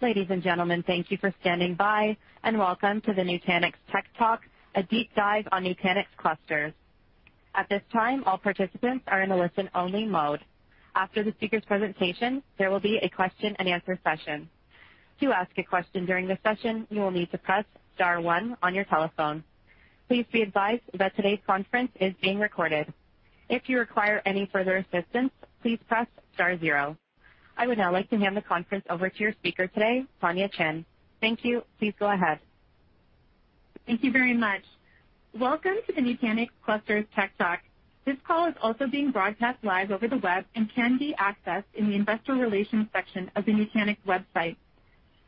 Ladies and gentlemen, thank you for standing by, and welcome to the Nutanix Tech Talk, a deep dive on Nutanix Clusters. At this time, all participants are in a listen-only mode. After the speaker's presentation, there will be a question-and-answer session. To ask a question during the session, you will need to press star one on your telephone. Please be advised that today's conference is being recorded. If you require any further assistance, please press star zero. I would now like to hand the conference over to your speaker today, Tonya Chin. Thank you. Please go ahead. Thank you very much. Welcome to the Nutanix Clusters Tech Talk. This call is also being broadcast live over the web and can be accessed in the investor relations section of the Nutanix website.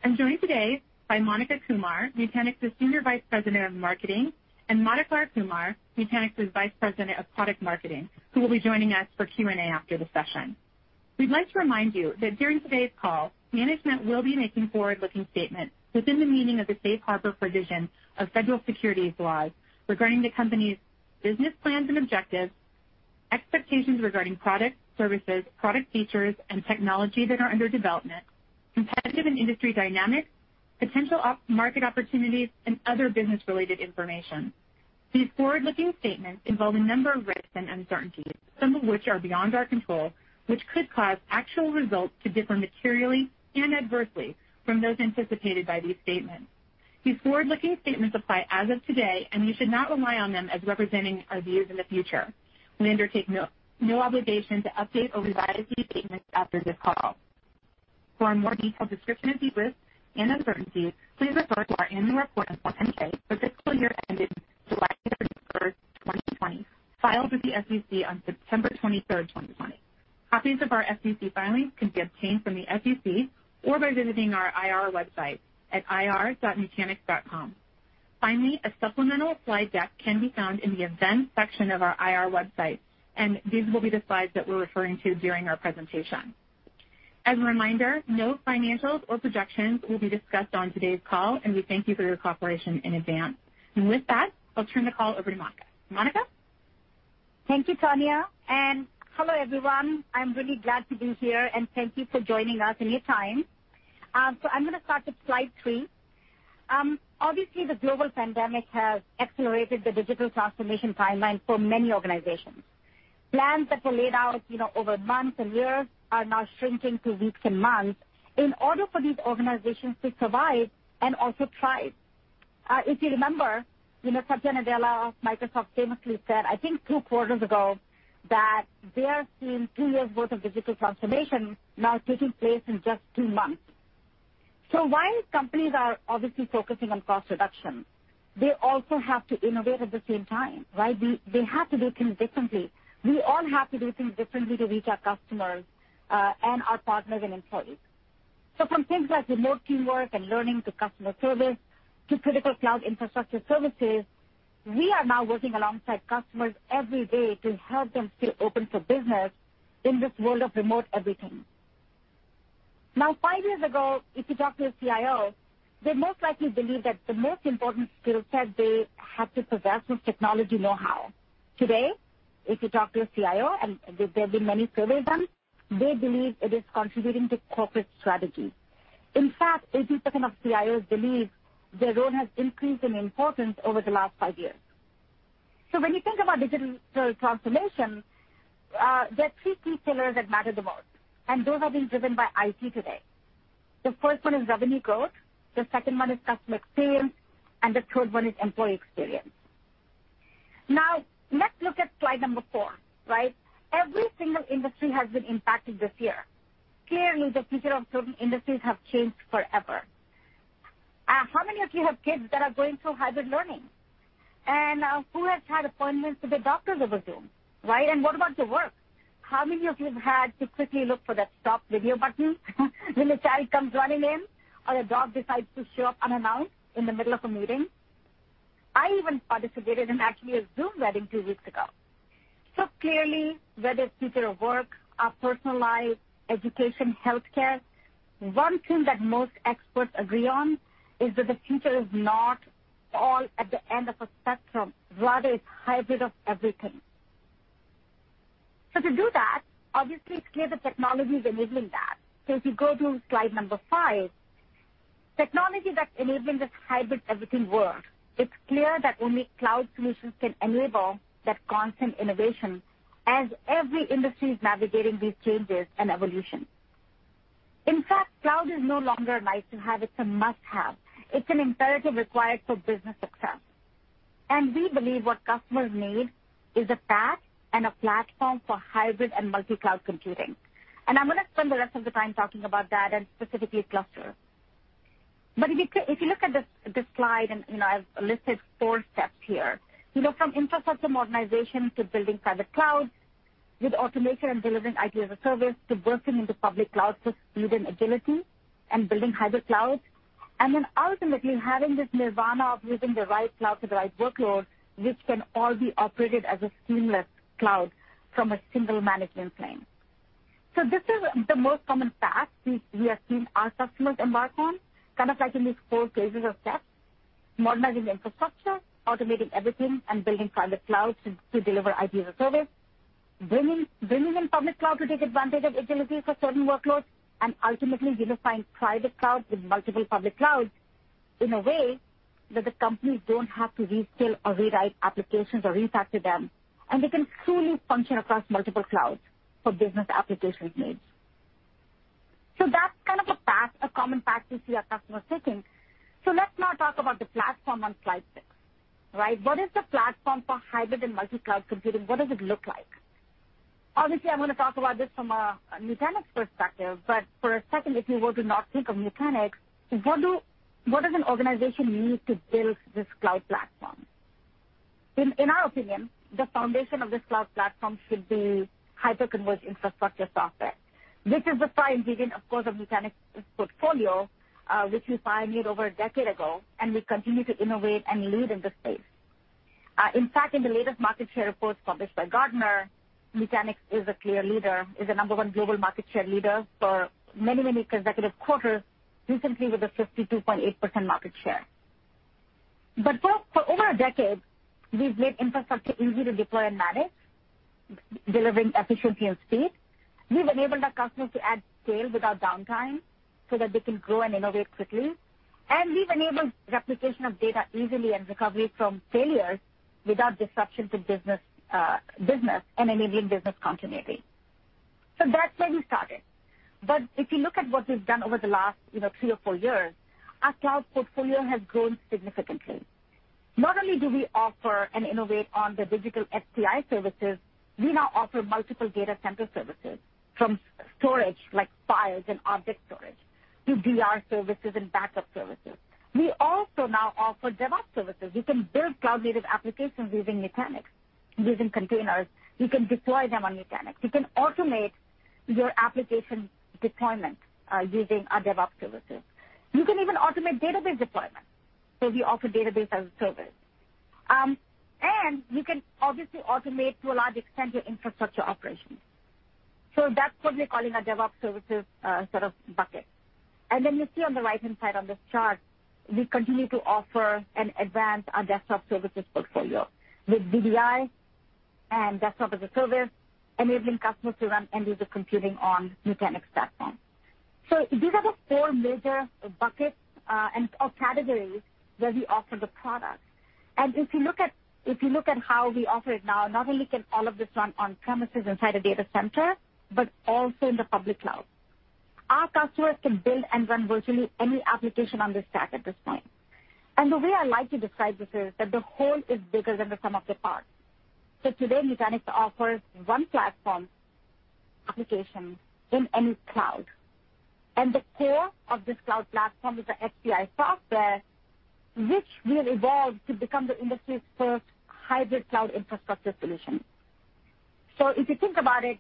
I'm joined today by Monica Kumar, Nutanix's Senior Vice President of Marketing, and Madhukar Kumar, Nutanix's Vice President of Product Marketing, who will be joining us for Q&A after the session. We'd like to remind you that during today's call, management will be making forward-looking statements within the meaning of the safe harbor provision of federal securities laws regarding the company's business plans and objectives, expectations regarding products, services, product features, and technology that are under development, competitive and industry dynamics, potential market opportunities, and other business-related information. These forward-looking statements involve a number of risks and uncertainties, some of which are beyond our control, which could cause actual results to differ materially and adversely from those anticipated by these statements. These forward-looking statements apply as of today, and we should not rely on them as representing our views in the future. We undertake no obligation to update or revise these statements after this call. For a more detailed description of these risks and uncertainties, please refer to our annual report on 10-K for fiscal year ending 31 July 2020, filed with the SEC on 23 September 2020. Copies of our SEC filings can be obtained from the SEC or by visiting our IR website at ir.nutanix.com. Finally, a supplemental slide deck can be found in the events section of our IR website, and these will be the slides that we're referring to during our presentation. As a reminder, no financials or projections will be discussed on today's call, and we thank you for your cooperation in advance. With that, I'll turn the call over to Monica. Monica? Thank you, Tonya. Hello, everyone. I'm really glad to be here, and thank you for joining us and your time. I'm going to start with slide three. Obviously, the global pandemic has accelerated the digital transformation timeline for many organizations. Plans that were laid out over months and years are now shrinking to weeks and months in order for these organizations to survive and also thrive. If you remember, Satya Nadella of Microsoft famously said, I think two quarters ago, that they are seeing two years' worth of digital transformation now taking place in just two months. While companies are obviously focusing on cost reduction, they also have to innovate at the same time. They have to do things differently. We all have to do things differently to reach our customers and our partners and employees. From things like remote teamwork and learning to customer service to critical cloud infrastructure services, we are now working alongside customers every day to help them stay open for business in this world of remote everything. Five years ago, if you talk to a CIO, they most likely believed that the most important skill set they had to possess was technology know-how. Today, if you talk to a CIO, and there have been many surveys done, they believe it is contributing to corporate strategy. In fact, 80% of CIOs believe their role has increased in importance over the last five years. When you think about digital transformation, there are three key pillars that matter the most, and those are being driven by IT today. The first one is revenue growth. The second one is customer experience, and the third one is employee experience. Now, let's look at slide number four. Every single industry has been impacted this year. Clearly, the future of certain industries has changed forever. How many of you have kids that are going through hybrid learning? Who has had appointments with their doctors over Zoom? What about your work? How many of you have had to quickly look for that stop video button when a child comes running in or a dog decides to show up unannounced in the middle of a meeting? I even participated in actually a Zoom wedding two weeks ago. Clearly, whether it's future of work, our personal life, education, healthcare, one thing that most experts agree on is that the future is not all at the end of a spectrum. Rather, it's a hybrid of everything. To do that, obviously, it's clear that technology is enabling that. If you go to slide number five, technology that's enabling this hybrid everything world, it's clear that only cloud solutions can enable that constant innovation as every industry is navigating these changes and evolution. In fact, cloud is no longer a nice-to-have. It's a must-have. It's an imperative required for business success. We believe what customers need is a path and a platform for hybrid and multi-cloud computing. I'm going to spend the rest of the time talking about that and specifically clusters. If you look at this slide, and I've listed four steps here, from infrastructure modernization to building private clouds with automation and delivering IT as a service to bursting into public clouds with speed and agility and building hybrid clouds, and then ultimately having this nirvana of using the right cloud for the right workload, which can all be operated as a seamless cloud from a single management plane. This is the most common path we have seen our customers embark on, kind of like in these four phases of steps: modernizing infrastructure, automating everything, and building private clouds to deliver IT as a service, bringing in public cloud to take advantage of agility for certain workloads, and ultimately unifying private cloud with multiple public clouds in a way that the companies don't have to reskill or rewrite applications or refactor them, and they can truly function across multiple clouds for business application needs. That's kind of a common path we see our customers taking. Let's now talk about the platform on slide six. What is the platform for hybrid and multi-cloud computing? What does it look like? Obviously, I'm going to talk about this from a Nutanix perspective, but for a second, if you were to not think of Nutanix, what does an organization need to build this cloud platform? In our opinion, the foundation of this cloud platform should be hyper-converged infrastructure software, which is the prime ingredient, of course, of Nutanix's portfolio, which we pioneered over a decade ago, and we continue to innovate and lead in this space. In fact, in the latest market share reports published by Gartner, Nutanix is a clear leader, is the number one global market share leader for many, many consecutive quarters, recently with a 52.8% market share. For over a decade, we've made infrastructure easy to deploy and manage, delivering efficiency and speed. We've enabled our customers to add scale without downtime so that they can grow and innovate quickly. We have enabled replication of data easily and recovery from failures without disruption to business and enabling business continuity. That is where we started. If you look at what we have done over the last three or four years, our cloud portfolio has grown significantly. Not only do we offer and innovate on the digital SDI services, we now offer multiple data center services from storage like files and object storage to DR services and backup services. We also now offer DevOps services. You can build cloud-native applications using Nutanix, using containers. You can deploy them on Nutanix. You can automate your application deployment using our DevOps services. You can even automate database deployment. We offer database as a service. You can obviously automate, to a large extent, your infrastructure operations. That is what we are calling our DevOps services sort of bucket. You see on the right-hand side on this chart, we continue to offer and advance our desktop services portfolio with VDI and desktop as a service, enabling customers to run end-user computing on Nutanix platform. These are the four major buckets or categories where we offer the product. If you look at how we offer it now, not only can all of this run on-premises inside a data center, but also in the public cloud. Our customers can build and run virtually any application on this stack at this point. The way I like to describe this is that the whole is bigger than the sum of the parts. Today, Nutanix offers one platform application in any cloud. The core of this cloud platform is the SDI software, which will evolve to become the industry's first hybrid cloud infrastructure solution. If you think about it,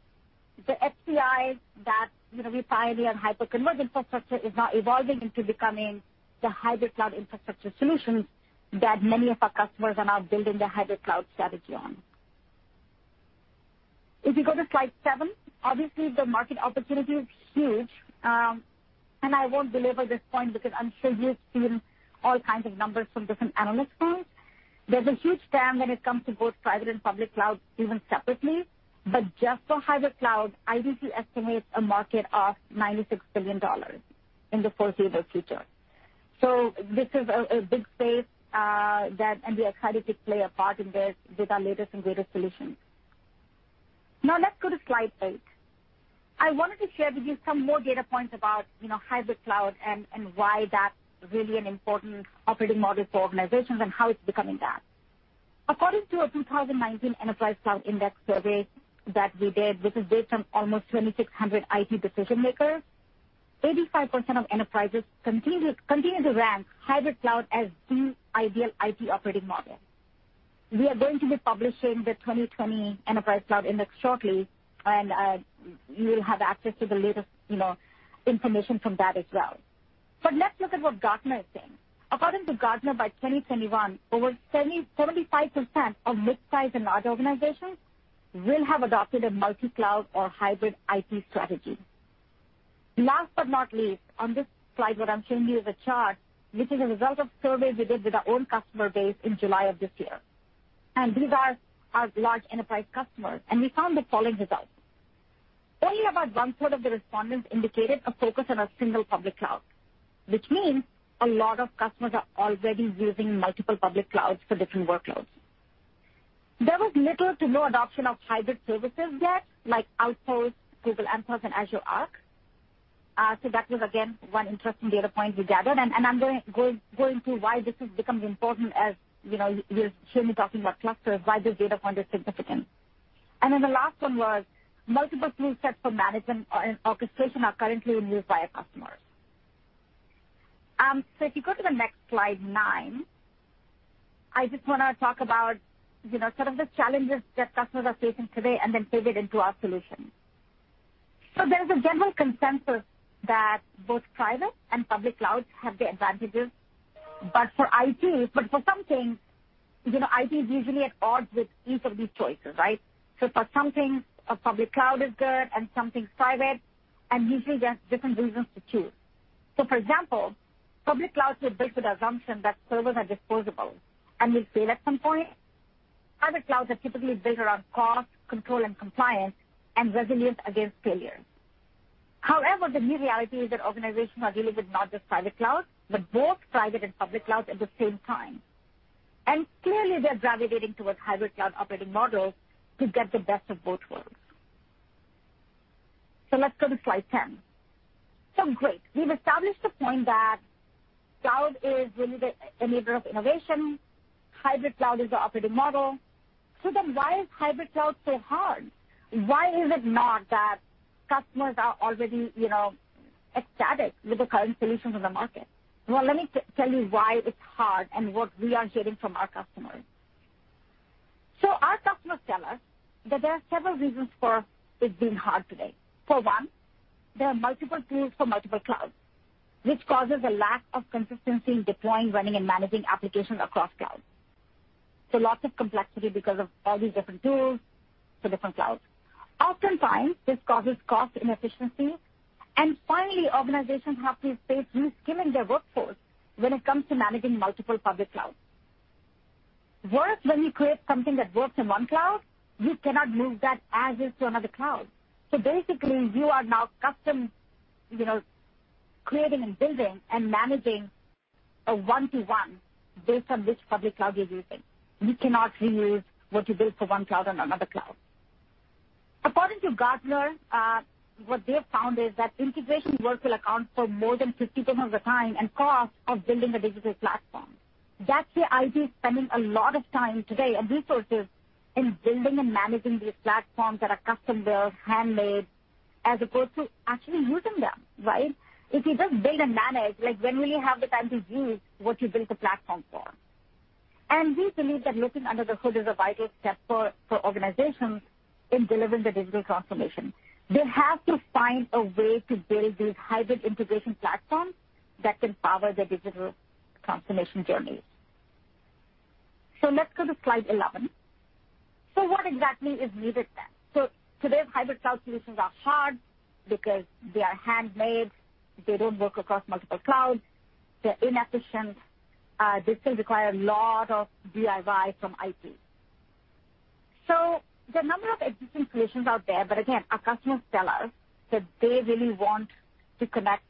the SDI that we pioneer in hyper-converged infrastructure is now evolving into becoming the hybrid cloud infrastructure solutions that many of our customers are now building their hybrid cloud strategy on. If you go to slide seven, obviously, the market opportunity is huge. I won't belabor this point because I'm sure you've seen all kinds of numbers from different analyst points. There's a huge demand when it comes to both private and public clouds even separately. Just for hybrid cloud, IDC estimates a market of $96 billion in the foreseeable future. This is a big space, and we are excited to play a part in this with our latest and greatest solutions. Now, let's go to slide eight. I wanted to share with you some more data points about hybrid cloud and why that's really an important operating model for organizations and how it's becoming that. According to a 2019 Enterprise Cloud Index survey that we did, which is based on almost 2,600 IT decision-makers, 85% of enterprises continue to rank hybrid cloud as the ideal IT operating model. We are going to be publishing the 2020 Enterprise Cloud Index shortly, and you will have access to the latest information from that as well. Let's look at what Gartner is saying. According to Gartner, by 2021, over 75% of mid-size and large organizations will have adopted a multi-cloud or hybrid IT strategy. Last but not least, on this slide, what I'm showing you is a chart which is a result of surveys we did with our own customer base in July of this year. These are our large enterprise customers. We found the following results. Only about one-third of the respondents indicated a focus on a single public cloud, which means a lot of customers are already using multiple public clouds for different workloads. There was little to no adoption of hybrid services yet, like Outposts, Google Anthos, and Azure Arc. That was, again, one interesting data point we gathered. I'm going to go into why this has become important as we're certainly talking about clusters, why this data point is significant. The last one was multiple toolsets for management and orchestration are currently in use by our customers. If you go to the next slide, nine, I just want to talk about sort of the challenges that customers are facing today and then pivot into our solution. There is a general consensus that both private and public clouds have the advantages, but for IT, for some things, IT is usually at odds with each of these choices. For some things, a public cloud is good, and some things are private, and usually there are different reasons to choose. For example, public clouds were built with the assumption that servers are disposable and will fail at some point. Private clouds are typically built around cost, control, and compliance, and resilience against failure. However, the new reality is that organizations are dealing with not just private clouds, but both private and public clouds at the same time. Clearly, they are gravitating towards hybrid cloud operating models to get the best of both worlds. Let's go to slide 10. Great. We have established the point that cloud is really the enabler of innovation. Hybrid cloud is the operating model. Why is hybrid cloud so hard? Why is it not that customers are already ecstatic with the current solutions on the market? Let me tell you why it's hard and what we are hearing from our customers. Our customers tell us that there are several reasons for it being hard today. For one, there are multiple tools for multiple clouds, which causes a lack of consistency in deploying, running, and managing applications across clouds. Lots of complexity because of all these different tools for different clouds. Oftentimes, this causes cost inefficiency. Finally, organizations have to face reskilling their workforce when it comes to managing multiple public clouds. Whereas when you create something that works in one cloud, you cannot move that as-is to another cloud. Basically, you are now custom creating and building and managing a one-to-one based on which public cloud you're using. You cannot reuse what you build for one cloud on another cloud. According to Gartner, what they've found is that integration work will account for more than 50% of the time and cost of building a digital platform. That's why IT is spending a lot of time today and resources in building and managing these platforms that are custom-built, handmade, as opposed to actually using them. If you just build and manage, when will you have the time to use what you built the platform for? We believe that looking under the hood is a vital step for organizations in delivering the digital transformation. They have to find a way to build these hybrid integration platforms that can power their digital transformation journeys. Let's go to slide 11. What exactly is needed then? Today's hybrid cloud solutions are hard because they are handmade. They do not work across multiple clouds. They are inefficient. They still require a lot of DIY from IT. There are a number of existing solutions out there, but again, our customers tell us that they really want to connect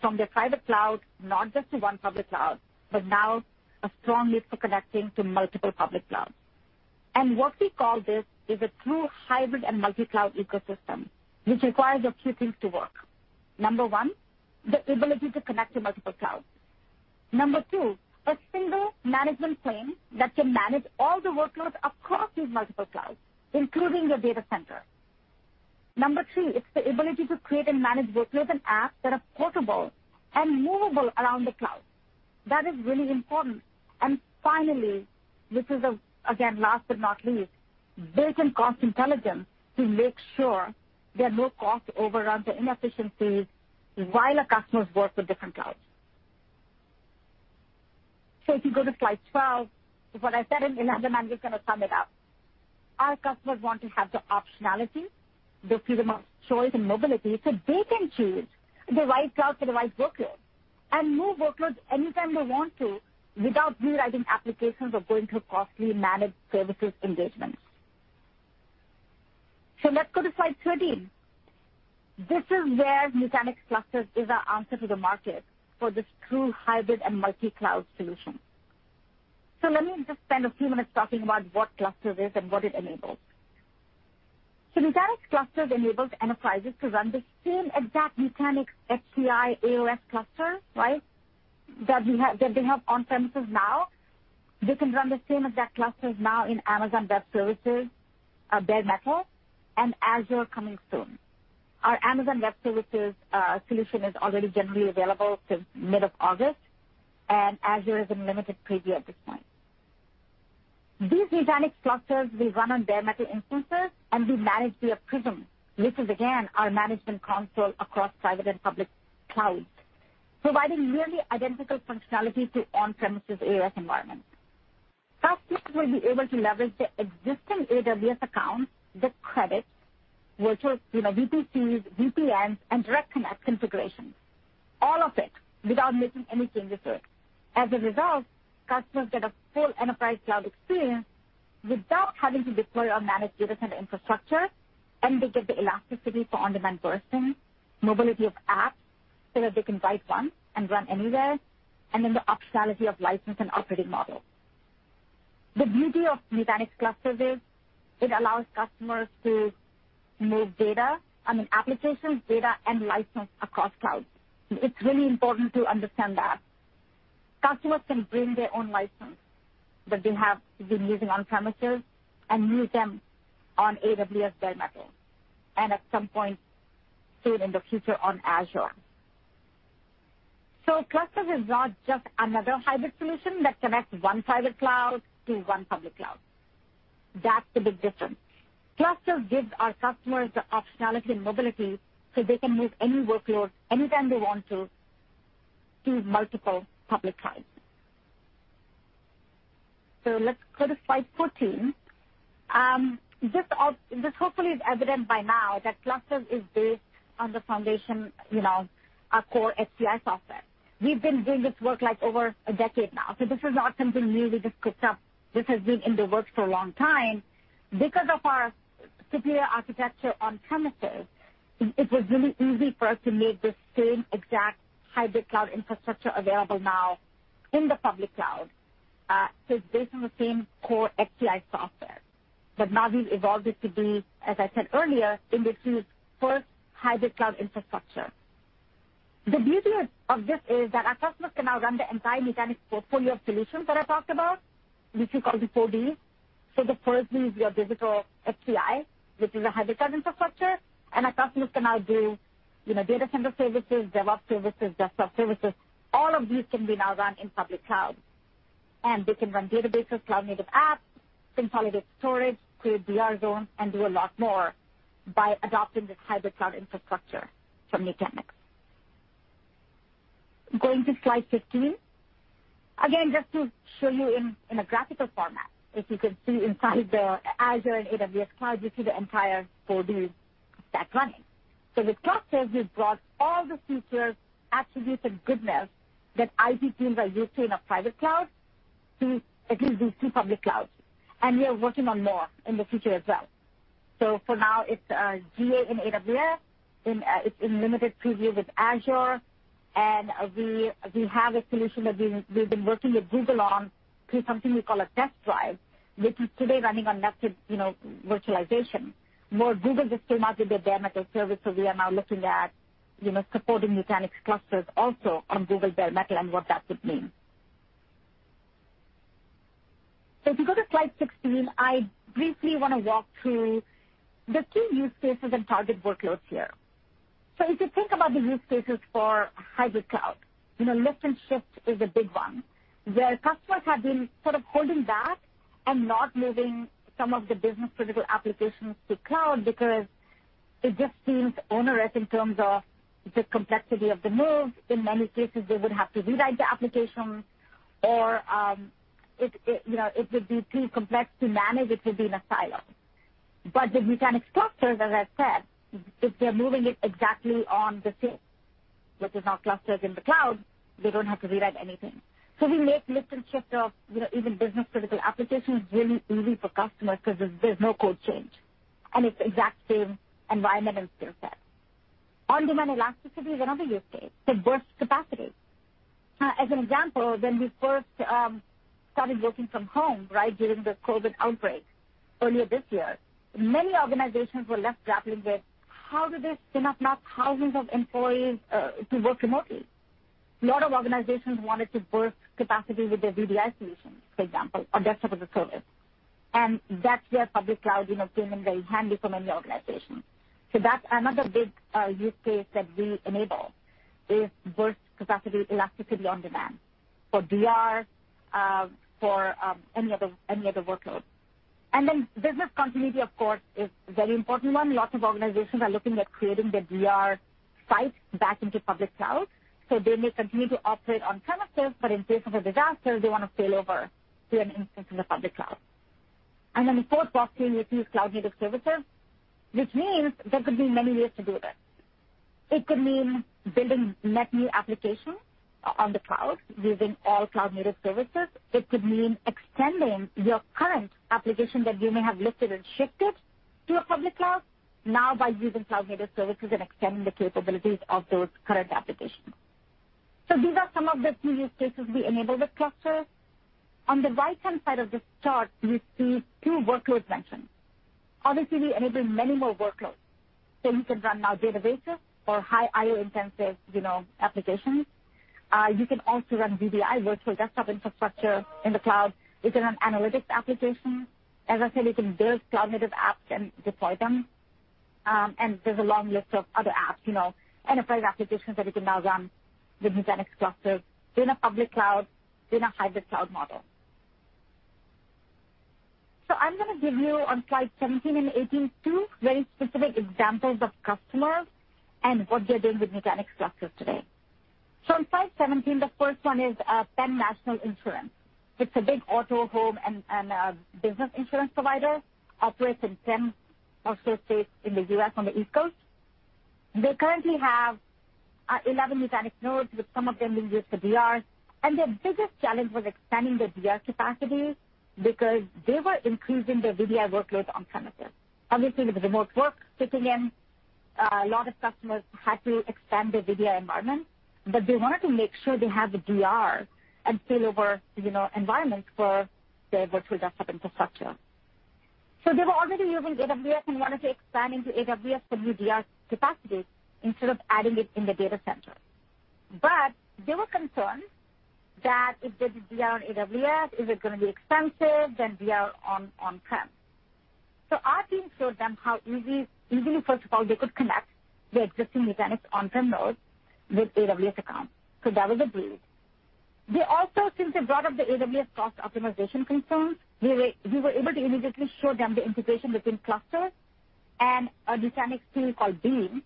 from their private cloud, not just to one public cloud, but now a strong need for connecting to multiple public clouds. What we call this is a true hybrid and multi-cloud ecosystem, which requires a few things to work. Number one, the ability to connect to multiple clouds. Number two, a single management plane that can manage all the workloads across these multiple clouds, including your data center. Number three, it is the ability to create and manage workloads and apps that are portable and movable around the cloud. That is really important. Finally, which is, again, last but not least, built-in cost intelligence to make sure there are no cost overruns or inefficiencies while our customers work with different clouds. If you go to slide 12, what I said in 11, I'm just going to sum it up. Our customers want to have the optionality, the freedom of choice and mobility, so they can choose the right cloud for the right workload and move workloads anytime they want to without rewriting applications or going through costly managed services engagements. Let's go to slide 13. This is where Nutanix Clusters is our answer to the market for this true hybrid and multi-cloud solution. Let me just spend a few minutes talking about what Clusters is and what it enables. Nutanix Clusters enables enterprises to run the same exact Nutanix SDI AOS cluster that they have on-premises now. They can run the same exact clusters now in Amazon Web Services, Bare Metal, and Azure coming soon. Our Amazon Web Services solution is already generally available since mid-August, and Azure is in limited preview at this point. These Nutanix clusters will run on bare metal instances, and we manage via Prism, which is, again, our management console across private and public clouds, providing nearly identical functionality to on-premises AOS environments. Customers will be able to leverage the existing AWS accounts, the credits, virtual VPCs, VPNs, and direct connect configurations, all of it without making any changes to it. As a result, customers get a full enterprise cloud experience without having to deploy or manage data center infrastructure, and they get the elasticity for on-demand bursting, mobility of apps so that they can write one and run anywhere, and then the optionality of license and operating model. The beauty of Nutanix Clusters is it allows customers to move data, I mean, applications, data, and license across clouds. It's really important to understand that customers can bring their own license that they have been using on-premises and move them on AWS bare metal and at some point soon in the future on Azure. Clusters is not just another hybrid solution that connects one private cloud to one public cloud. That's the big difference. Clusters gives our customers the optionality and mobility so they can move any workload anytime they want to to multiple public clouds. Let's go to slide 14. This hopefully is evident by now that Clusters is based on the foundation, our core SDI software. We've been doing this work like over a decade now. This is not something new we just picked up. This has been in the works for a long time. Because of our superior architecture on-premises, it was really easy for us to make the same exact hybrid cloud infrastructure available now in the public cloud. It is based on the same core SDI software. Now we have evolved it to be, as I said earlier, industry's first hybrid cloud infrastructure. The beauty of this is that our customers can now run the entire Nutanix portfolio of solutions that I talked about, which we call the 4D. The first is your digital SDI, which is a hybrid cloud infrastructure, and our customers can now do data center services, DevOps services, desktop services. All of these can now be run in public cloud. They can run databases, cloud-native apps, consolidate storage, create DR zones, and do a lot more by adopting this hybrid cloud infrastructure from Nutanix. Going to slide 15. Again, just to show you in a graphical format, if you can see inside the Azure and AWS cloud, you see the entire 4D stack running. With Clusters, we've brought all the features, attributes, and goodness that IT teams are used to in a private cloud to at least these two public clouds. We are working on more in the future as well. For now, it's GA in AWS. It's in limited preview with Azure. We have a solution that we've been working with Google on through something we call a test drive, which is today running on nested virtualization. Google just came out with their bare metal service, so we are now looking at supporting Nutanix Clusters also on Google bare metal and what that would mean. If you go to slide 16, I briefly want to walk through the key use cases and target workloads here. If you think about the use cases for hybrid cloud, lift and shift is a big one, where customers have been sort of holding back and not moving some of the business-critical applications to cloud because it just seems onerous in terms of the complexity of the move. In many cases, they would have to rewrite the application, or it would be too complex to manage. It would be in a silo. With Nutanix Clusters, as I said, if they're moving it exactly on the same, which is now clusters in the cloud, they don't have to rewrite anything. We make lift and shift of even business-critical applications really easy for customers because there's no code change. It's the exact same environment and skill set. On-demand elasticity is another use case. It bursts capacity. As an example, when we first started working from home during the COVID outbreak earlier this year, many organizations were left grappling with how do they spin up now thousands of employees to work remotely. A lot of organizations wanted to burst capacity with their VDI solutions, for example, or desktop as a service. That is where public cloud came in very handy for many organizations. That is another big use case that we enable, burst capacity, elasticity on demand for DR, for any other workload. Business continuity, of course, is a very important one. Lots of organizations are looking at creating their DR site back into public cloud. They may continue to operate on-premises, but in case of a disaster, they want to failover to an instance of the public cloud. The fourth option is to use cloud-native services, which means there could be many ways to do this. It could mean building net-new applications on the cloud using all cloud-native services. It could mean extending your current application that you may have lifted and shifted to a public cloud now by using cloud-native services and extending the capabilities of those current applications. These are some of the key use cases we enable with Clusters. On the right-hand side of this chart, you see two workloads mentioned. Obviously, we enable many more workloads. You can run now databases or high I/O-intensive applications. You can also run VDI virtual desktop infrastructure in the cloud. You can run analytics applications. As I said, you can build cloud-native apps and deploy them. There's a long list of other apps, enterprise applications that you can now run with Nutanix Clusters in a public cloud in a hybrid cloud model. I'm going to give you on slides 17 and 18 two very specific examples of customers and what they're doing with Nutanix Clusters today. On slide 17, the first one is Penn National Insurance. It's a big auto, home, and business insurance provider. Operates in 10 or so states in the US on the East Coast. They currently have 11 Nutanix nodes, with some of them being used for DR. Their biggest challenge was expanding their DR capacity because they were increasing their VDI workloads on-premises. Obviously, with remote work kicking in, a lot of customers had to expand their VDI environment, but they wanted to make sure they have the DR and failover environments for their virtual desktop infrastructure. They were already using AWS and wanted to expand into AWS for new DR capacity instead of adding it in the data center. They were concerned that if they did DR on AWS, is it going to be expensive than DR on-prem? Our team showed them how easily, first of all, they could connect their existing Nutanix on-prem nodes with AWS accounts. That was a breeze. They also, since they brought up the AWS cost optimization concerns, we were able to immediately show them the integration between Clusters and a Nutanix tool called Beam.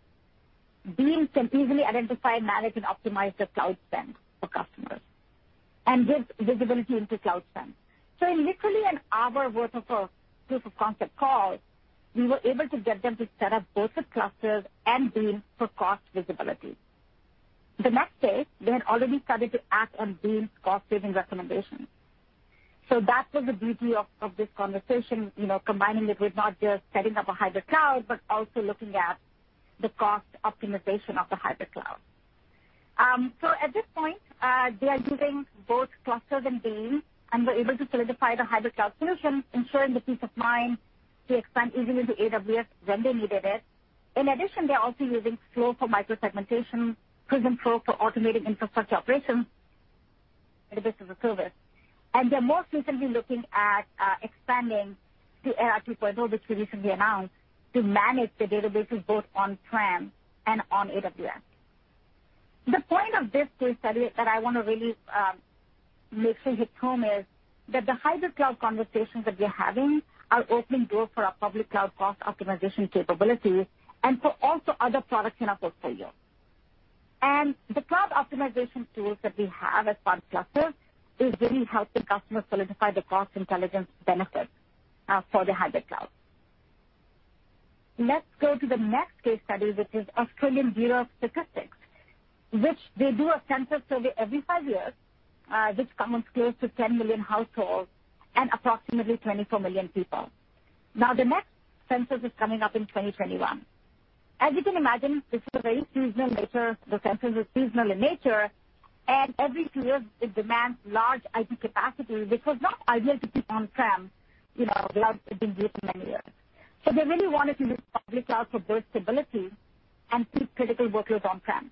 Beam can easily identify, manage, and optimize the cloud spend for customers and gives visibility into cloud spend. In literally an hour's worth of proof of concept calls, we were able to get them to set up both the Clusters and Beam for cost visibility. The next day, they had already started to act on Beam's cost-saving recommendations. That was the beauty of this conversation, combining it with not just setting up a hybrid cloud, but also looking at the cost optimization of the hybrid cloud. At this point, they are using both Clusters and Beam, and we're able to solidify the hybrid cloud solution, ensuring the peace of mind to expand easily into AWS when they needed it. In addition, they're also using Flow for microsegmentation, Prism Pro for automating infrastructure operations, database as a service. They're most recently looking at expanding to ERP portal, which we recently announced, to manage the databases both on-prem and on AWS. The point of this case study that I want to really make sure you hit home is that the hybrid cloud conversations that we're having are opening doors for our public cloud cost optimization capabilities and for also other products in our portfolio. The cloud optimization tools that we have as part of Clusters is really helping customers solidify the cost intelligence benefits for the hybrid cloud. Let's go to the next case study, which is Australian Bureau of Statistics, which they do a census survey every five years, which covers close to 10 million households and approximately 24 million people. Now, the next census is coming up in 2021. As you can imagine, this is a very seasonal nature. The census is seasonal in nature, and every two years, it demands large IT capacity, which was not ideal to keep on-prem without it being used for many years. They really wanted to use public cloud for burst stability and keep critical workloads on-prem.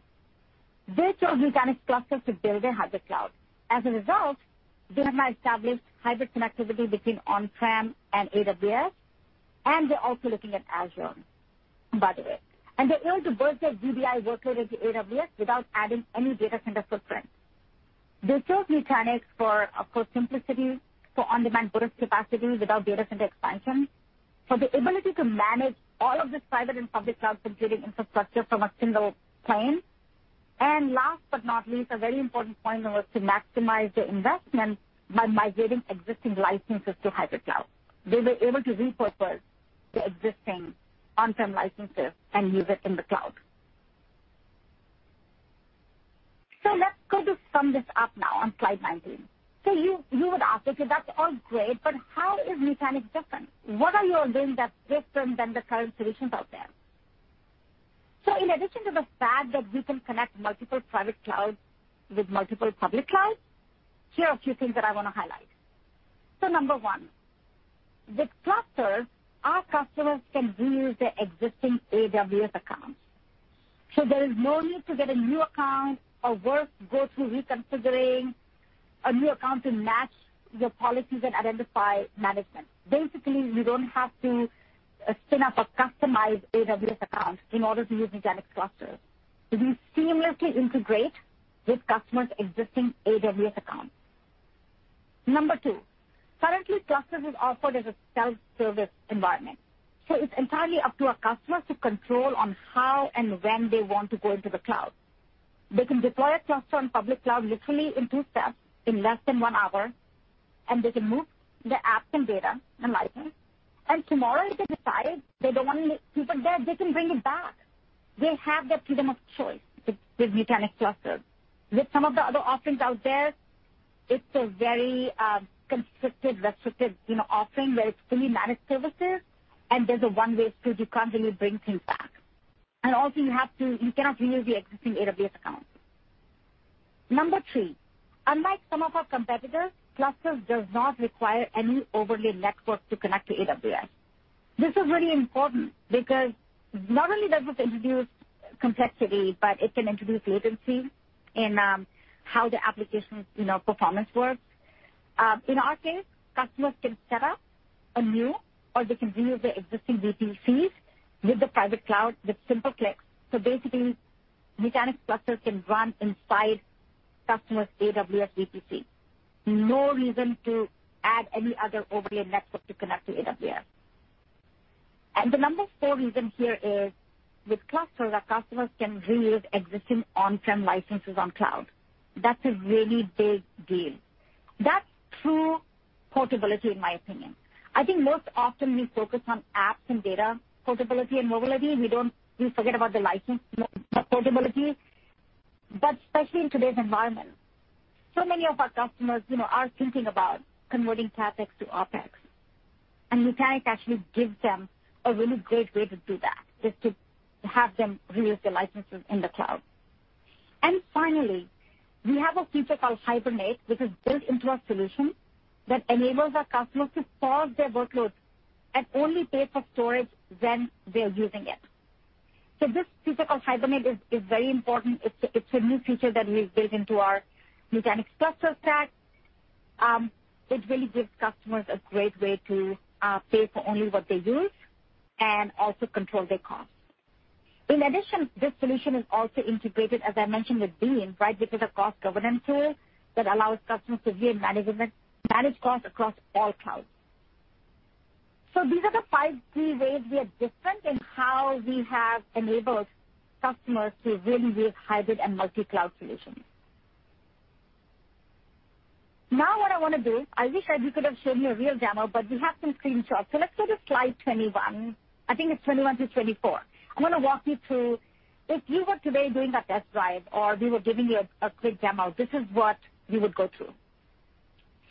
They chose Nutanix Clusters to build their hybrid cloud. As a result, they have now established hybrid connectivity between on-prem and AWS, and they're also looking at Azure, by the way. They're able to burst their VDI workload into AWS without adding any data center footprint. They chose Nutanix for, of course, simplicity, for on-demand burst capacity without data center expansion, for the ability to manage all of the private and public cloud computing infrastructure from a single plane. Last but not least, a very important point was to maximize their investment by migrating existing licenses to hybrid cloud. They were able to repurpose the existing on-prem licenses and use it in the cloud. Let's go to sum this up now on slide 19. You would ask, "Okay, that's all great, but how is Nutanix different? What are you all doing that's different than the current solutions out there?" In addition to the fact that we can connect multiple private clouds with multiple public clouds, here are a few things that I want to highlight. Number one, with Clusters, our customers can reuse their existing AWS accounts. There is no need to get a new account or, worse, go through reconsidering a new account to match your policies and identity management. Basically, you don't have to spin up a customized AWS account in order to use Nutanix Clusters. We seamlessly integrate with customers' existing AWS accounts. Number two, currently, Clusters is offered as a self-service environment. It's entirely up to our customers to control how and when they want to go into the cloud. They can deploy a Cluster on public cloud literally in two steps in less than one hour, and they can move their apps and data and license. Tomorrow, if they decide they don't want to keep it there, they can bring it back. They have that freedom of choice with Nutanix Clusters. With some of the other offerings out there, it's a very constricted, restricted offering where it's fully managed services, and there's a one-way street. You can't really bring things back. Also, you cannot reuse the existing AWS account. Number three, unlike some of our competitors, Clusters does not require any overlay network to connect to AWS. This is really important because not only does this introduce complexity, but it can introduce latency in how the application performance works. In our case, customers can set up a new or they can reuse their existing VPCs with the private cloud with simple clicks. Basically, Nutanix Clusters can run inside customers' AWS VPC. No reason to add any other overlay network to connect to AWS. The number four reason here is, with Clusters, our customers can reuse existing on-prem licenses on cloud. That's a really big deal. That's true portability, in my opinion. I think most often, we focus on apps and data portability and mobility. We forget about the license portability, but especially in today's environment, so many of our customers are thinking about converting CapEx to OpEx. Nutanix actually gives them a really great way to do that, just to have them reuse their licenses in the cloud. Finally, we have a feature called Hibernate, which is built into our solution that enables our customers to pause their workloads and only pay for storage when they're using it. This feature called Hibernate is very important. It's a new feature that we've built into our Nutanix Clusters stack. It really gives customers a great way to pay for only what they use and also control their costs. In addition, this solution is also integrated, as I mentioned, with Beam, right, which is a cost governance tool that allows customers to really manage costs across all clouds. These are the five key ways we are different in how we have enabled customers to really use hybrid and multi-cloud solutions. Now, what I want to do, I wish I could have shown you a real demo, but we have some screenshots. Let's go to slide 21. I think it's 21 to 24. I want to walk you through. If you were today doing a test drive or we were giving you a quick demo, this is what you would go through.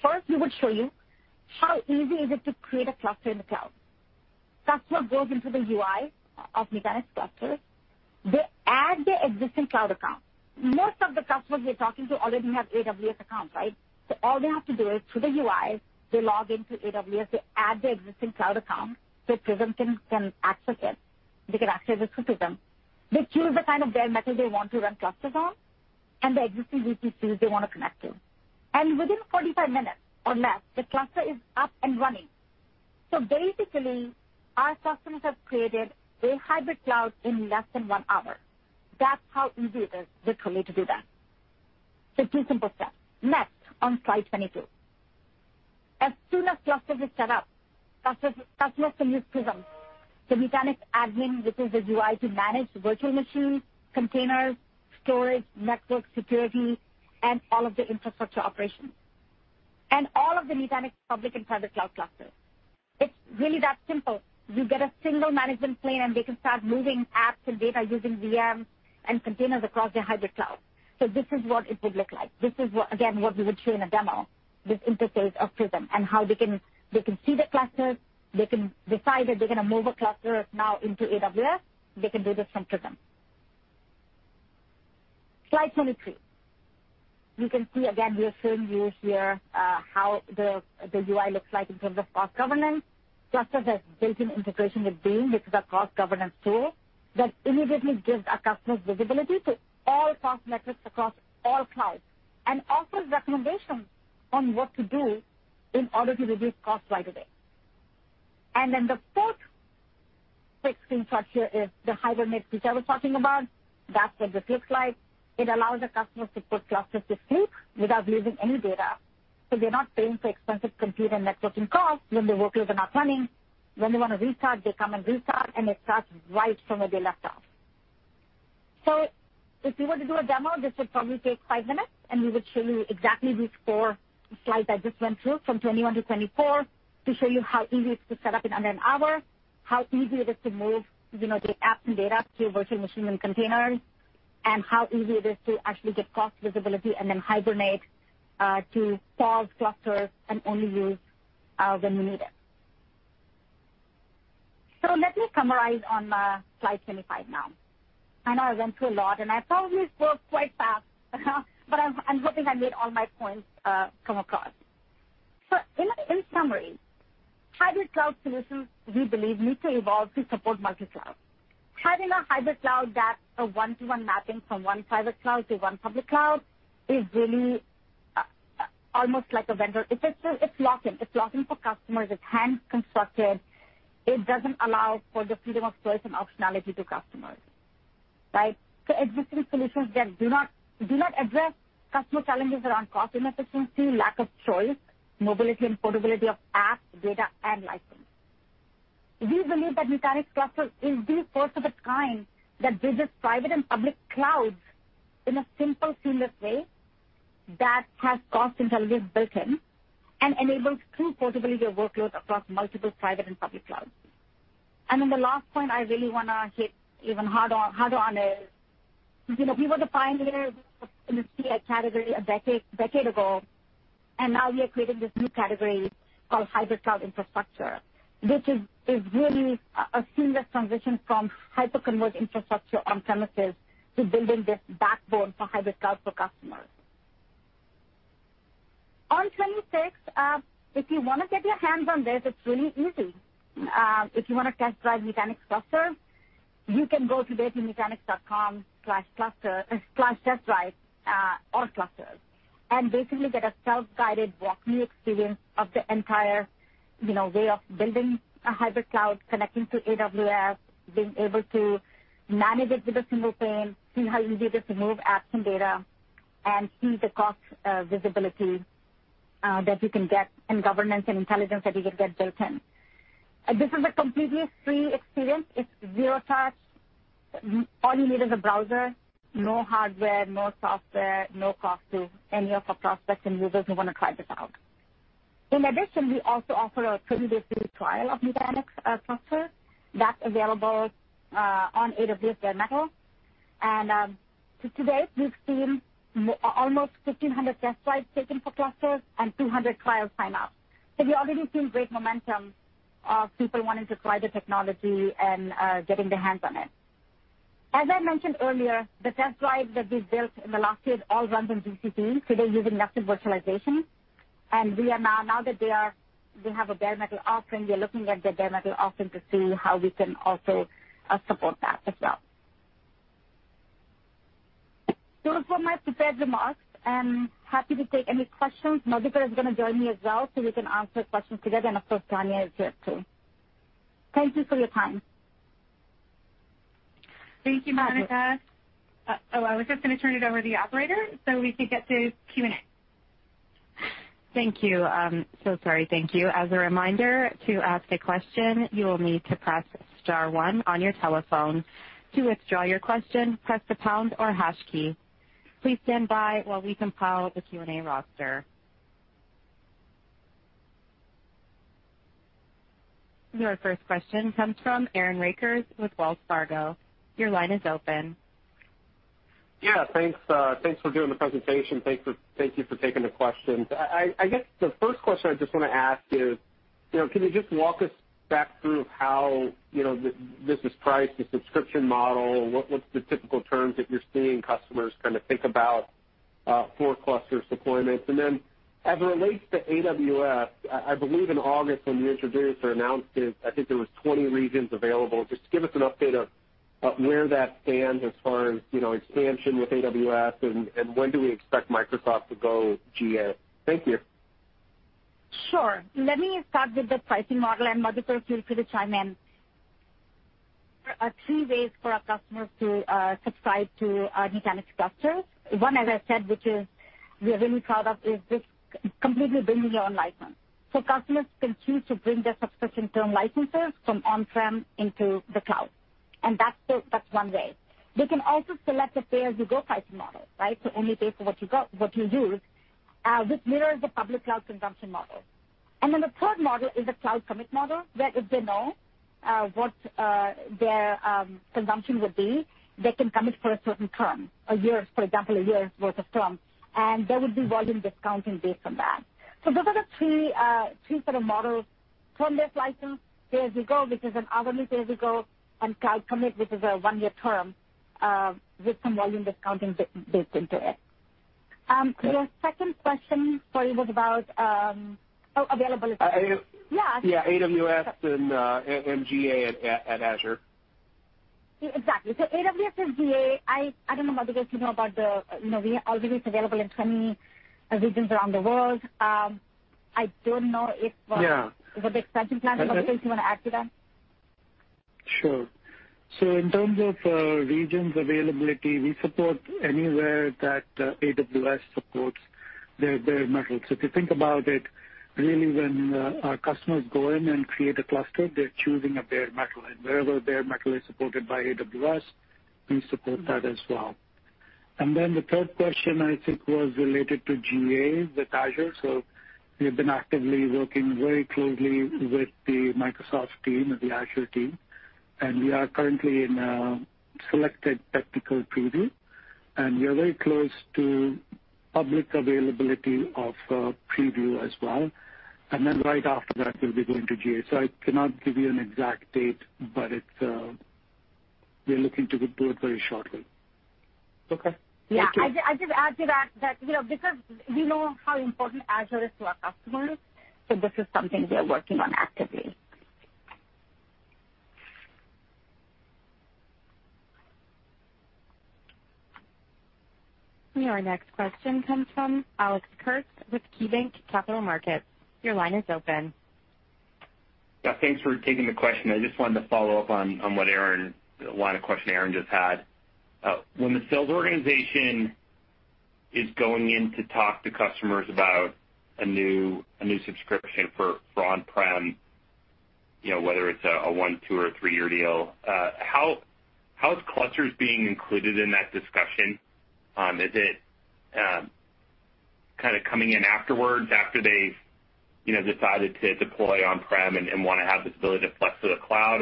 First, we would show you how easy it is to create a Cluster in the cloud. Customer goes into the UI of Nutanix Clusters. They add their existing cloud account. Most of the customers we're talking to already have AWS accounts, right? All they have to do is, through the UI, they log into AWS. They add their existing cloud account so Prism can access it. They can access it through Prism. They choose the kind of bare metal they want to run Clusters on and the existing VPCs they want to connect to. Within 45 minutes or less, the Cluster is up and running. Basically, our customers have created a hybrid cloud in less than one hour. That's how easy it is, literally, to do that. Two simple steps. Next, on slide 22, as soon as Clusters is set up, customers can use Prism, the Nutanix admin, which is the UI to manage virtual machines, containers, storage, network security, and all of the infrastructure operations. All of the Nutanix public and private cloud clusters. It's really that simple. You get a single management plane, and they can start moving apps and data using VMs and containers across their hybrid cloud. This is what it would look like. This is, again, what we would show in a demo with interface of Prism and how they can see the Clusters. They can decide if they're going to move a Cluster now into AWS. They can do this from Prism. Slide 23. You can see, again, we are showing you here how the UI looks like in terms of cost governance. Clusters has built-in integration with Beam. This is a cost governance tool that immediately gives our customers visibility to all cost metrics across all clouds and offers recommendations on what to do in order to reduce costs right away. The fourth quick screenshot here is the Hibernate feature I was talking about. That's what this looks like. It allows our customers to put Clusters to sleep without losing any data. So they're not paying for expensive compute and networking costs when the workloads are not running. When they want to restart, they come and restart, and it starts right from where they left off. If we were to do a demo, this would probably take five minutes, and we would show you exactly these four slides I just went through from 21 to 24 to show you how easy it is to set up in under an hour, how easy it is to move the apps and data to virtual machines and containers, and how easy it is to actually get cost visibility and then Hibernate to pause Clusters and only use when you need it. Let me summarize on slide 25 now. I know I went through a lot, and I probably spoke quite fast, but I'm hoping I made all my points come across. In summary, hybrid cloud solutions, we believe, need to evolve to support multi-cloud. Having a hybrid cloud that's a one-to-one mapping from one private cloud to one public cloud is really almost like a vendor. It's lock-in. It's lock-in for customers. It's hand-constructed. It doesn't allow for the freedom of choice and optionality to customers, right? Existing solutions that do not address customer challenges around cost inefficiency, lack of choice, mobility, and portability of apps, data, and license. We believe that Nutanix Clusters is the first of its kind that bridges private and public clouds in a simple, seamless way that has cost intelligence built-in and enables true portability of workloads across multiple private and public clouds. The last point I really want to hit even harder on is we were the pioneers in the CI category a decade ago, and now we are creating this new category called hybrid cloud infrastructure, which is really a seamless transition from hyper-converged infrastructure on-premises to building this backbone for hybrid cloud for customers. On 26, if you want to get your hands on this, it's really easy. If you want to test drive Nutanix Clusters, you can go today to nutanix.com/cluster/testdrive/clusters and basically get a self-guided walk-me experience of the entire way of building a hybrid cloud, connecting to AWS, being able to manage it with a single plane, see how easy it is to move apps and data, and see the cost visibility that you can get and governance and intelligence that you can get built in. This is a completely free experience. It's zero touch. All you need is a browser. No hardware, no software, no cost to any of our prospects and users who want to try this out. In addition, we also offer a 30-day free trial of Nutanix Clusters. That's available on AWS bare betal. To date, we've seen almost 1,500 test drives taken for Clusters and 200 trials signed up. We've already seen great momentum of people wanting to try the technology and getting their hands on it. As I mentioned earlier, the test drives that we've built in the last year all run on GCP, today using nested virtualization. Now that they have a bare metal offering, we're looking at their bare metal offering to see how we can also support that as well. Those were my prepared remarks. I'm happy to take any questions. Madhukar is going to join me as well so we can answer questions together. Of course, Tanya is here too. Thank you for your time. Thank you, Monica. Oh, I was just going to turn it over to the operator so we could get to Q&A. Thank you. Thank you. As a reminder, to ask a question, you will need to press star one on your telephone. To withdraw your question, press the pound or hash key. Please stand by while we compile the Q&A roster. Your first question comes from Aaron Rakers with Wells Fargo. Your line is open. Yeah. Thanks for doing the presentation. Thank you for taking the question. I guess the first question I just want to ask is, can you just walk us back through how this is priced, the subscription model? What's the typical terms that you're seeing customers kind of think about for Clusters deployments? As it relates to AWS, I believe in August when you introduced or announced it, I think there were 20 regions available. Just give us an update of where that stands as far as expansion with AWS and when do we expect Microsoft to go GA. Thank you. Sure. Let me start with the pricing model. Madhukar, feel free to chime in. There are three ways for our customers to subscribe to Nutanix Clusters. One, as I said, which we are really proud of, is this completely bringing your own license. Customers can choose to bring their subscription term licenses from on-prem into the cloud. That is one way. They can also select a pay-as-you-go pricing model, right? Only pay for what you use, which mirrors the public cloud consumption model. The third model is the cloud commit model, where if they know what their consumption would be, they can commit for a certain term, a year, for example, a year's worth of term. There would be volume discounting based on that. Those are the three sort of models: term-based license, pay-as-you-go, which is an hourly pay-as-you-go, and cloud commit, which is a one-year term with some volume discounting baked into it. Your second question, sorry, was about availability. Yeah. AWS and Azure. Exactly. AWS and GA, I don't know about the rest. You know about the we already have available in 20 regions around the world. I don't know if. Yeah. The expansion plans. I don't know if you want to add to that. Sure. In terms of regions availability, we support anywhere that AWS supports bare metal. If you think about it, really, when our customers go in and create a cluster, they're choosing a bare metal. Wherever bare metal is supported by AWS, we support that as well. The third question, I think, was related to GA with Azure. We have been actively working very closely with the Microsoft team and the Azure team. We are currently in a selected technical preview, and we are very close to public availability of preview as well. Right after that, we will be going to GA. I cannot give you an exact date, but we're looking to do it very shortly. Okay. Thank you. Yeah. I just add to that that because we know how important Azure is to our customers. This is something we are working on actively. Our next question comes from Alex Kurtz with KeyBanc Capital Markets. Your line is open. Yeah. Thanks for taking the question. I just wanted to follow up on what Aaron, the line of question Aaron just had. When the sales organization is going in to talk to customers about a new subscription for on-prem, whether it's a one, two, or a three-year deal, how is Clusters being included in that discussion? Is it kind of coming in afterwards, after they've decided to deploy on-prem and want to have this ability to flex to the cloud?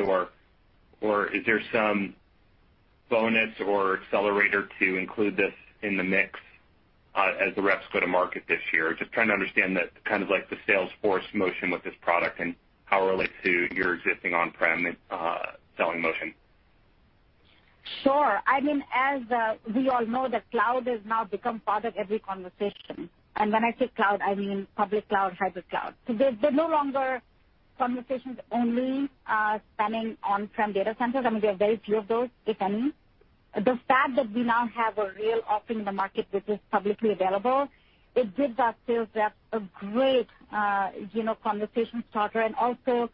Or is there some bonus or accelerator to include this in the mix as the reps go to market this year? Just trying to understand kind of the sales force motion with this product and how it relates to your existing on-prem selling motion. Sure. I mean, as we all know, the cloud has now become part of every conversation. I mean, when I say cloud, I mean public cloud, hybrid cloud. They are no longer conversations only spanning on-prem data centers. I mean, there are very few of those, if any. The fact that we now have a real offering in the market, which is publicly available, gives our sales reps a great conversation starter and also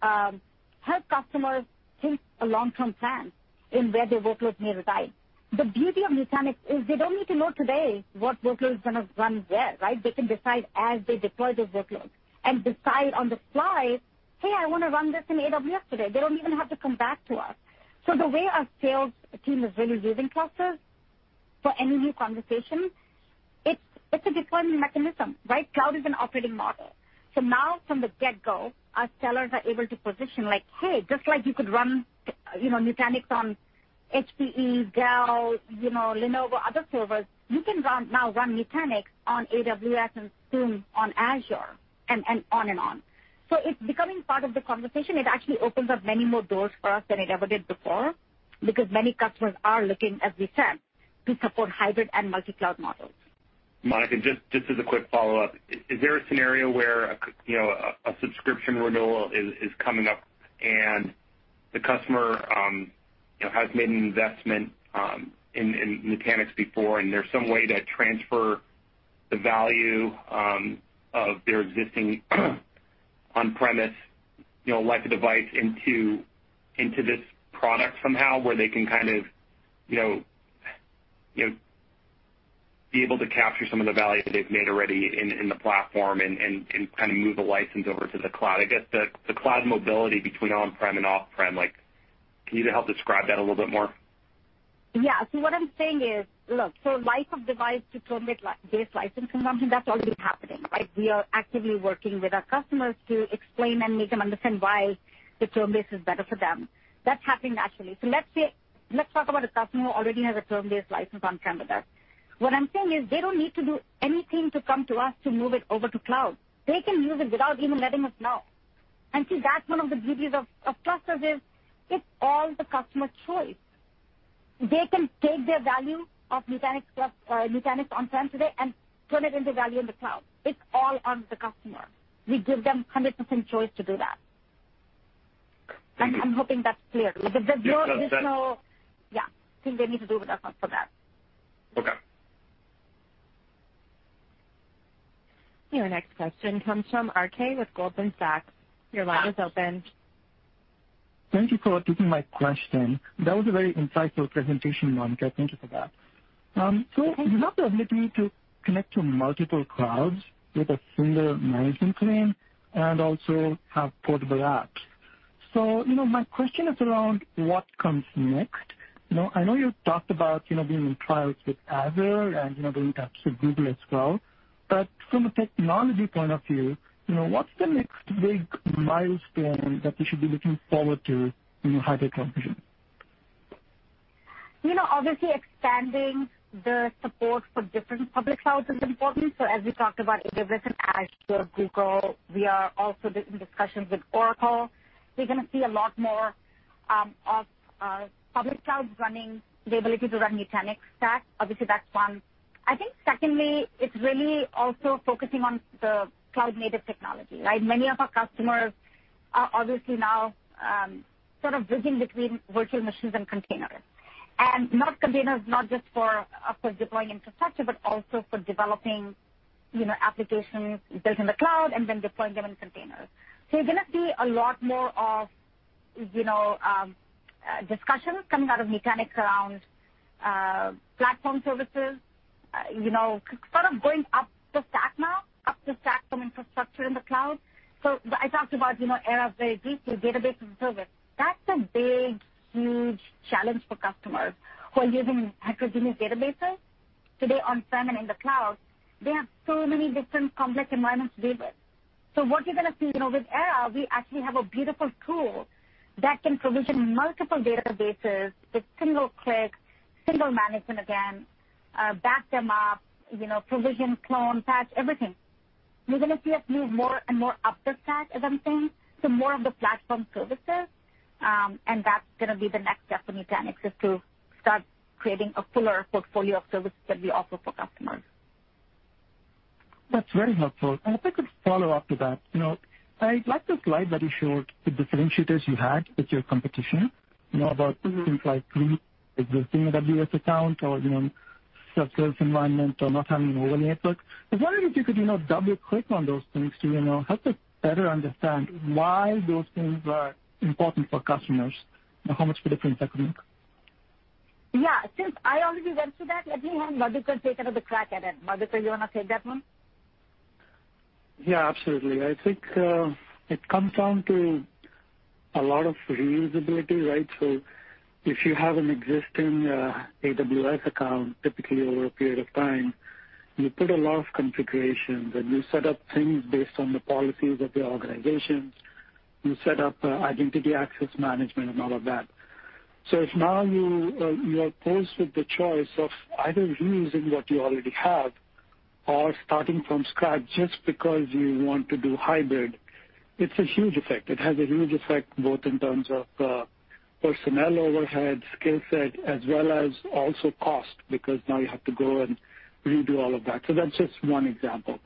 helps customers think a long-term plan in where their workloads may reside. The beauty of Nutanix is they do not need to know today what workload is going to run where, right? They can decide as they deploy those workloads and decide on the fly, "Hey, I want to run this in AWS today." They do not even have to come back to us. The way our sales team is really using Clusters for any new conversation, it's a deployment mechanism, right? Cloud is an operating model. Now, from the get-go, our sellers are able to position like, "Hey, just like you could run Nutanix on HPE, Dell, Lenovo, other servers, you can now run Nutanix on AWS and soon on Azure and on and on." It is becoming part of the conversation. It actually opens up many more doors for us than it ever did before because many customers are looking, as we said, to support hybrid and multi-cloud models. Monica, just as a quick follow-up, is there a scenario where a subscription renewal is coming up and the customer has made an investment in Nutanix before and there's some way to transfer the value of their existing on-premise micro-device into this product somehow where they can kind of be able to capture some of the value they've made already in the platform and kind of move the license over to the cloud? I guess the cloud mobility between on-prem and off-prem, can you help describe that a little bit more? Yeah. So what I'm saying is, look, life of device to term-based license consumption, that's already happening, right? We are actively working with our customers to explain and make them understand why the term base is better for them. That's happening naturally. Let's talk about a customer who already has a term-based license on-prem with us. What I'm saying is they don't need to do anything to come to us to move it over to cloud. They can use it without even letting us know. See, that's one of the beauties of Clusters, it's all the customer's choice. They can take their value of Nutanix on-prem today and turn it into value in the cloud. It's all on the customer. We give them 100% choice to do that. I'm hoping that's clear. Okay. There's no additional, yeah, thing they need to do with us for that. Okay. Your next question comes from R.K. Jones with Goldman Sachs. Your line is open. Thank you for taking my question. That was a very insightful presentation, Monica. Thank you for that. You have the ability to connect to multiple clouds with a single management plane and also have portable apps. My question is around what comes next. I know you talked about being in trials with Azure and going to Google as well. From a technology point of view, what's the next big milestone that you should be looking forward to in hybrid conversion? Obviously, expanding the support for different public clouds is important. As we talked about AWS and Azure, Google, we are also in discussions with Oracle. We're going to see a lot more of public clouds running the ability to run Nutanix stack. Obviously, that's one. I think secondly, it's really also focusing on the cloud-native technology, right? Many of our customers are obviously now sort of bridging between virtual machines and containers. And not containers, not just for deploying infrastructure, but also for developing applications built in the cloud and then deploying them in containers. You're going to see a lot more of discussions coming out of Nutanix around platform services, sort of going up the stack now, up the stack from infrastructure in the cloud. I talked about ERP very briefly, database as a service. That's a big, huge challenge for customers who are using heterogeneous databases. Today, on-prem and in the cloud, they have so many different complex environments to deal with. What you're going to see with ERP, we actually have a beautiful tool that can provision multiple databases with single click, single management, again, back them up, provision, clone, patch, everything. You're going to see us move more and more up the stack, as I'm saying, to more of the platform services. That is going to be the next step for Nutanix, to start creating a fuller portfolio of services that we offer for customers. That's very helpful. If I could follow up to that, I'd like to slide very short the differentiators you had with your competition about things like existing AWS account or self-service environment. Not having an overlay network. I wonder if you could double-click on those things to help us better understand why those things are important for customers and how much of a difference that could make. Yeah. Since I already went through that, let me have Madhukar take another crack at it. Madhukar, you want to take that one? Yeah, absolutely. I think it comes down to a lot of reusability, right? If you have an existing AWS account, typically over a period of time, you put a lot of configurations and you set up things based on the policies of the organization. You set up identity access management and all of that. If now you are forced with the choice of either reusing what you already have or starting from scratch just because you want to do hybrid, it has a huge effect. It has a huge effect both in terms of personnel overhead, skill set, as well as also cost because now you have to go and redo all of that. That's just one example.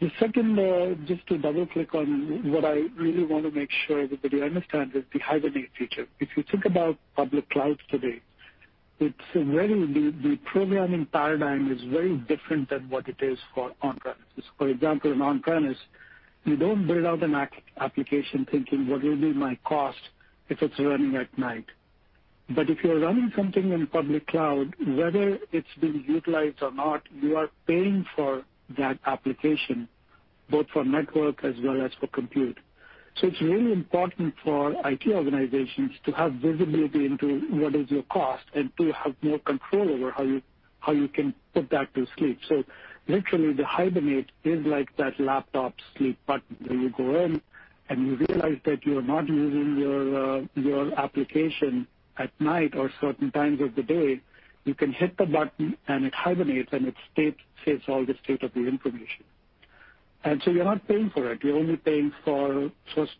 The second, just to double-click on what I really want to make sure everybody understands, is the hibernate feature. If you think about public clouds today, the programming paradigm is very different than what it is for on-premises. For example, on-premises, you don't build out an application thinking, "What will be my cost if it's running at night?" If you're running something in public cloud, whether it's being utilized or not, you are paying for that application both for network as well as for compute. It is really important for IT organizations to have visibility into what is your cost and to have more control over how you can put that to sleep. Literally, the hibernate is like that laptop sleep button where you go in and you realize that you are not using your application at night or certain times of the day. You can hit the button and it hibernates and it saves all the state of the information. You are not paying for it. You are only paying for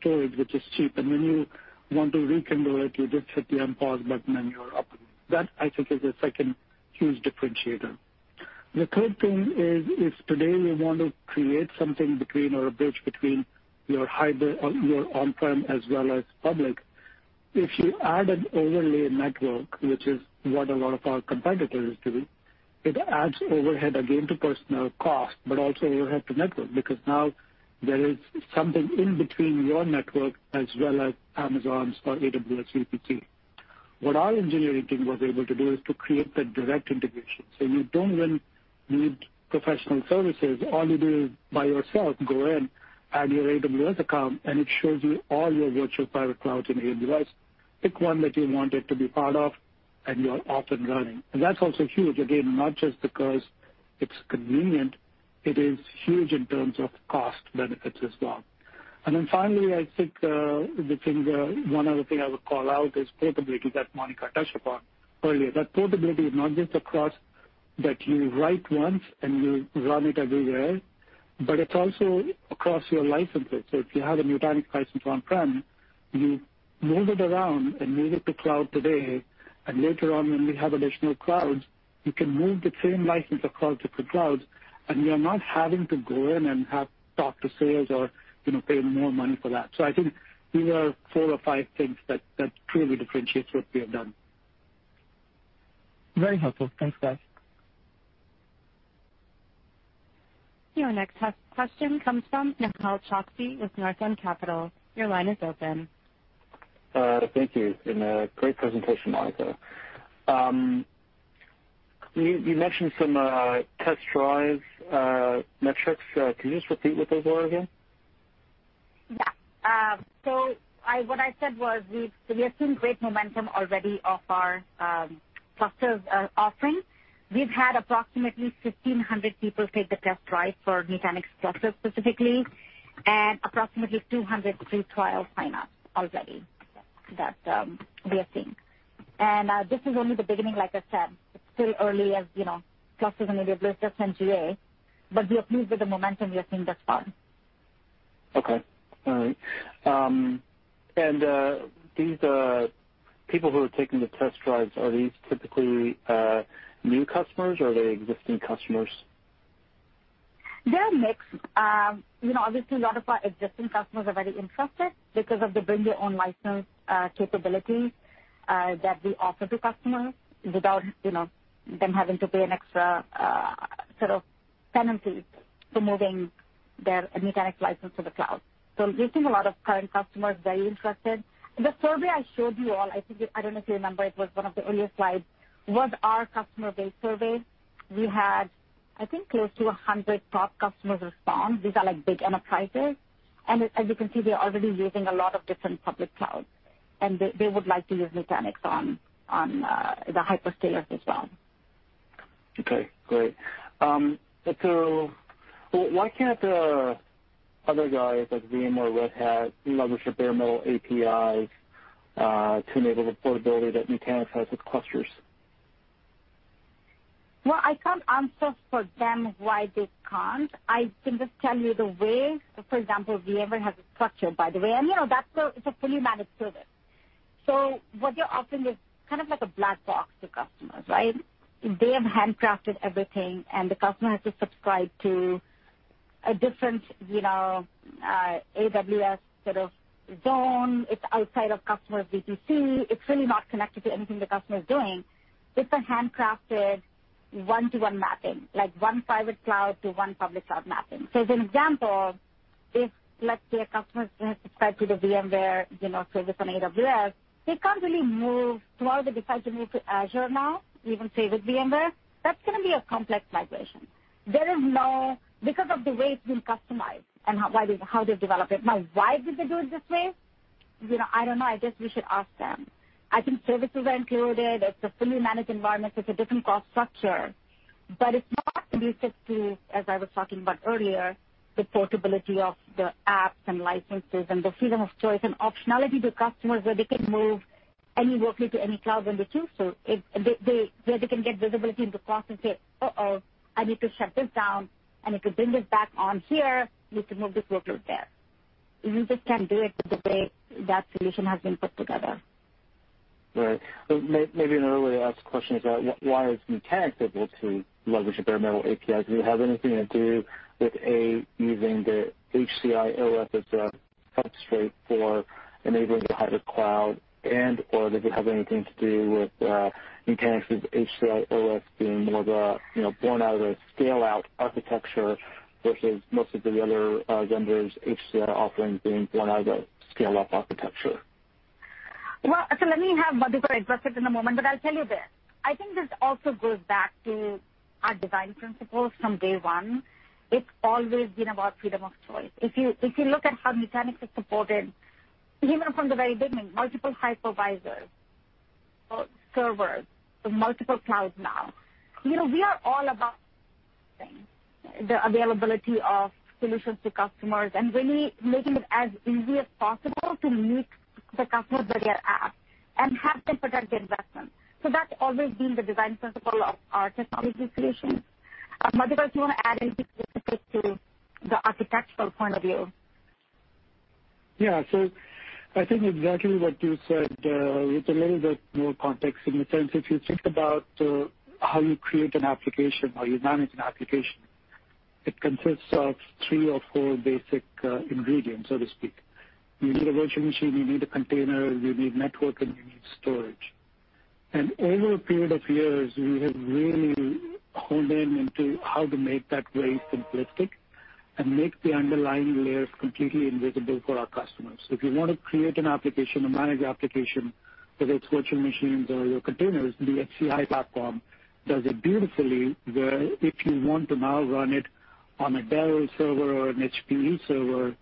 storage, which is cheap. When you want to rekindle it, you just hit the unpause button and you are up, and that, I think, is the second huge differentiator. The third thing is if today you want to create something between or a bridge between your on-prem as well as public, if you add an overlay network, which is what a lot of our competitors do, it adds overhead again to personnel cost, but also overhead to network because now there is something in between your network as well as Amazon's or AWS VPC. What our engineering team was able to do is to create the direct integration. You do not even need professional services. All you do is by yourself, go in, add your AWS account, and it shows you all your virtual private clouds in AWS. Pick one that you want it to be part of and you're off and running. That's also huge, again, not just because it's convenient. It is huge in terms of cost benefits as well. Finally, I think one other thing I would call out is portability that Monica touched upon earlier. That portability is not just across that you write once and you run it everywhere, but it's also across your licenses. If you have a Nutanix license on-prem, you move it around and move it to cloud today. Later on, when we have additional clouds, you can move the same license across different clouds, and you're not having to go in and talk to sales or pay more money for that. I think these are four or five things that truly differentiate what we have done. Very helpful. Thanks, guys. Your next question comes from Nehal Chokshi with Northland Capital Markets. Your line is open. Thank you. Great presentation, Monica. You mentioned some test drive metrics. Could you just repeat what those were again? Yeah. What I said was we have seen great momentum already of our Clusters offering. We've had approximately 1,500 people take the test drive for Nutanix Clusters specifically and approximately 200 pre-trial sign-ups already that we are seeing. This is only the beginning, like I said. It's still early as Clusters and AWS just GA, but we are pleased with the momentum we are seeing thus far. Okay. All right. These people who are taking the test drives, are these typically new customers or are they existing customers? They're a mix. Obviously, a lot of our existing customers are very interested because of the bring-your-own-license capability that we offer to customers without them having to pay an extra sort of penalty for moving their Nutanix license to the cloud. We've seen a lot of current customers very interested. The survey I showed you all, I don't know if you remember, it was one of the earlier slides, was our customer-based survey. We had, I think, close to 100 top customers respond. These are big enterprises. As you can see, they're already using a lot of different public clouds, and they would like to use Nutanix on the hyperscalers as well. Okay. Great. So why can't other guys like VMware, Red Hat, publish or Bare Metal APIs to enable the portability that Nutanix has with Clusters? I can't answer for them why they can't. I can just tell you the way, for example, VMware has a structure, by the way. That's a fully managed service. What they're offering is kind of like a black box to customers, right? They have handcrafted everything, and the customer has to subscribe to a different AWS sort of zone. It's outside of customer's VPC. It's really not connected to anything the customer is doing. It's a handcrafted one-to-one mapping, like one private cloud to one public cloud mapping. As an example, if, let's say, a customer has subscribed to the VMware service on AWS, they can't really move to whatever they decide to move to Azure now, even favorite VMware. That's going to be a complex migration. There is no, because of the way it's been customized and how they've developed it. Now, why did they do it this way? I don't know. I guess we should ask them. I think services are included. It's a fully managed environment. It's a different cost structure. It's not conducive to, as I was talking about earlier, the portability of the apps and licenses and the freedom of choice and optionality to customers where they can move any workload to any cloud when they choose to, where they can get visibility into cost and say, "I need to shut this down. I need to bring this back on here. We can move this workload there." You just can't do it the way that solution has been put together. Right. Maybe another way to ask the question is that why is Nutanix able to leverage a bare metal API? Does it have anything to do with using the HCI OS as a substrate for enabling the hybrid cloud? And/or does it have anything to do with Nutanix's HCI OS being more of a born-out-of-a-scale-out architecture versus most of the other vendors' HCI offerings being born-out-of-a-scale-up architecture? Let me have Madhakar address it in a moment, but I'll tell you this. I think this also goes back to our design principles from day one. It's always been about freedom of choice. If you look at how Nutanix is supported, even from the very beginning, multiple hypervisors, servers, multiple clouds now. We are all about the availability of solutions to customers and really making it as easy as possible to meet the customers with their app and have them protect their investment. That's always been the design principle of our technology solutions. Madhakar, do you want to add anything specific to the architectural point of view? Yeah. I think exactly what you said with a little bit more context in the sense if you think about how you create an application or you manage an application, it consists of three or four basic ingredients, so to speak. You need a virtual machine, you need a container, you need network, and you need storage. Over a period of years, we have really honed in into how to make that very simplistic and make the underlying layers completely invisible for our customers. If you want to create an application or manage an application, whether it is virtual machines or your containers, the HCI platform does it beautifully where if you want to now run it on a Dell server or an HPE server,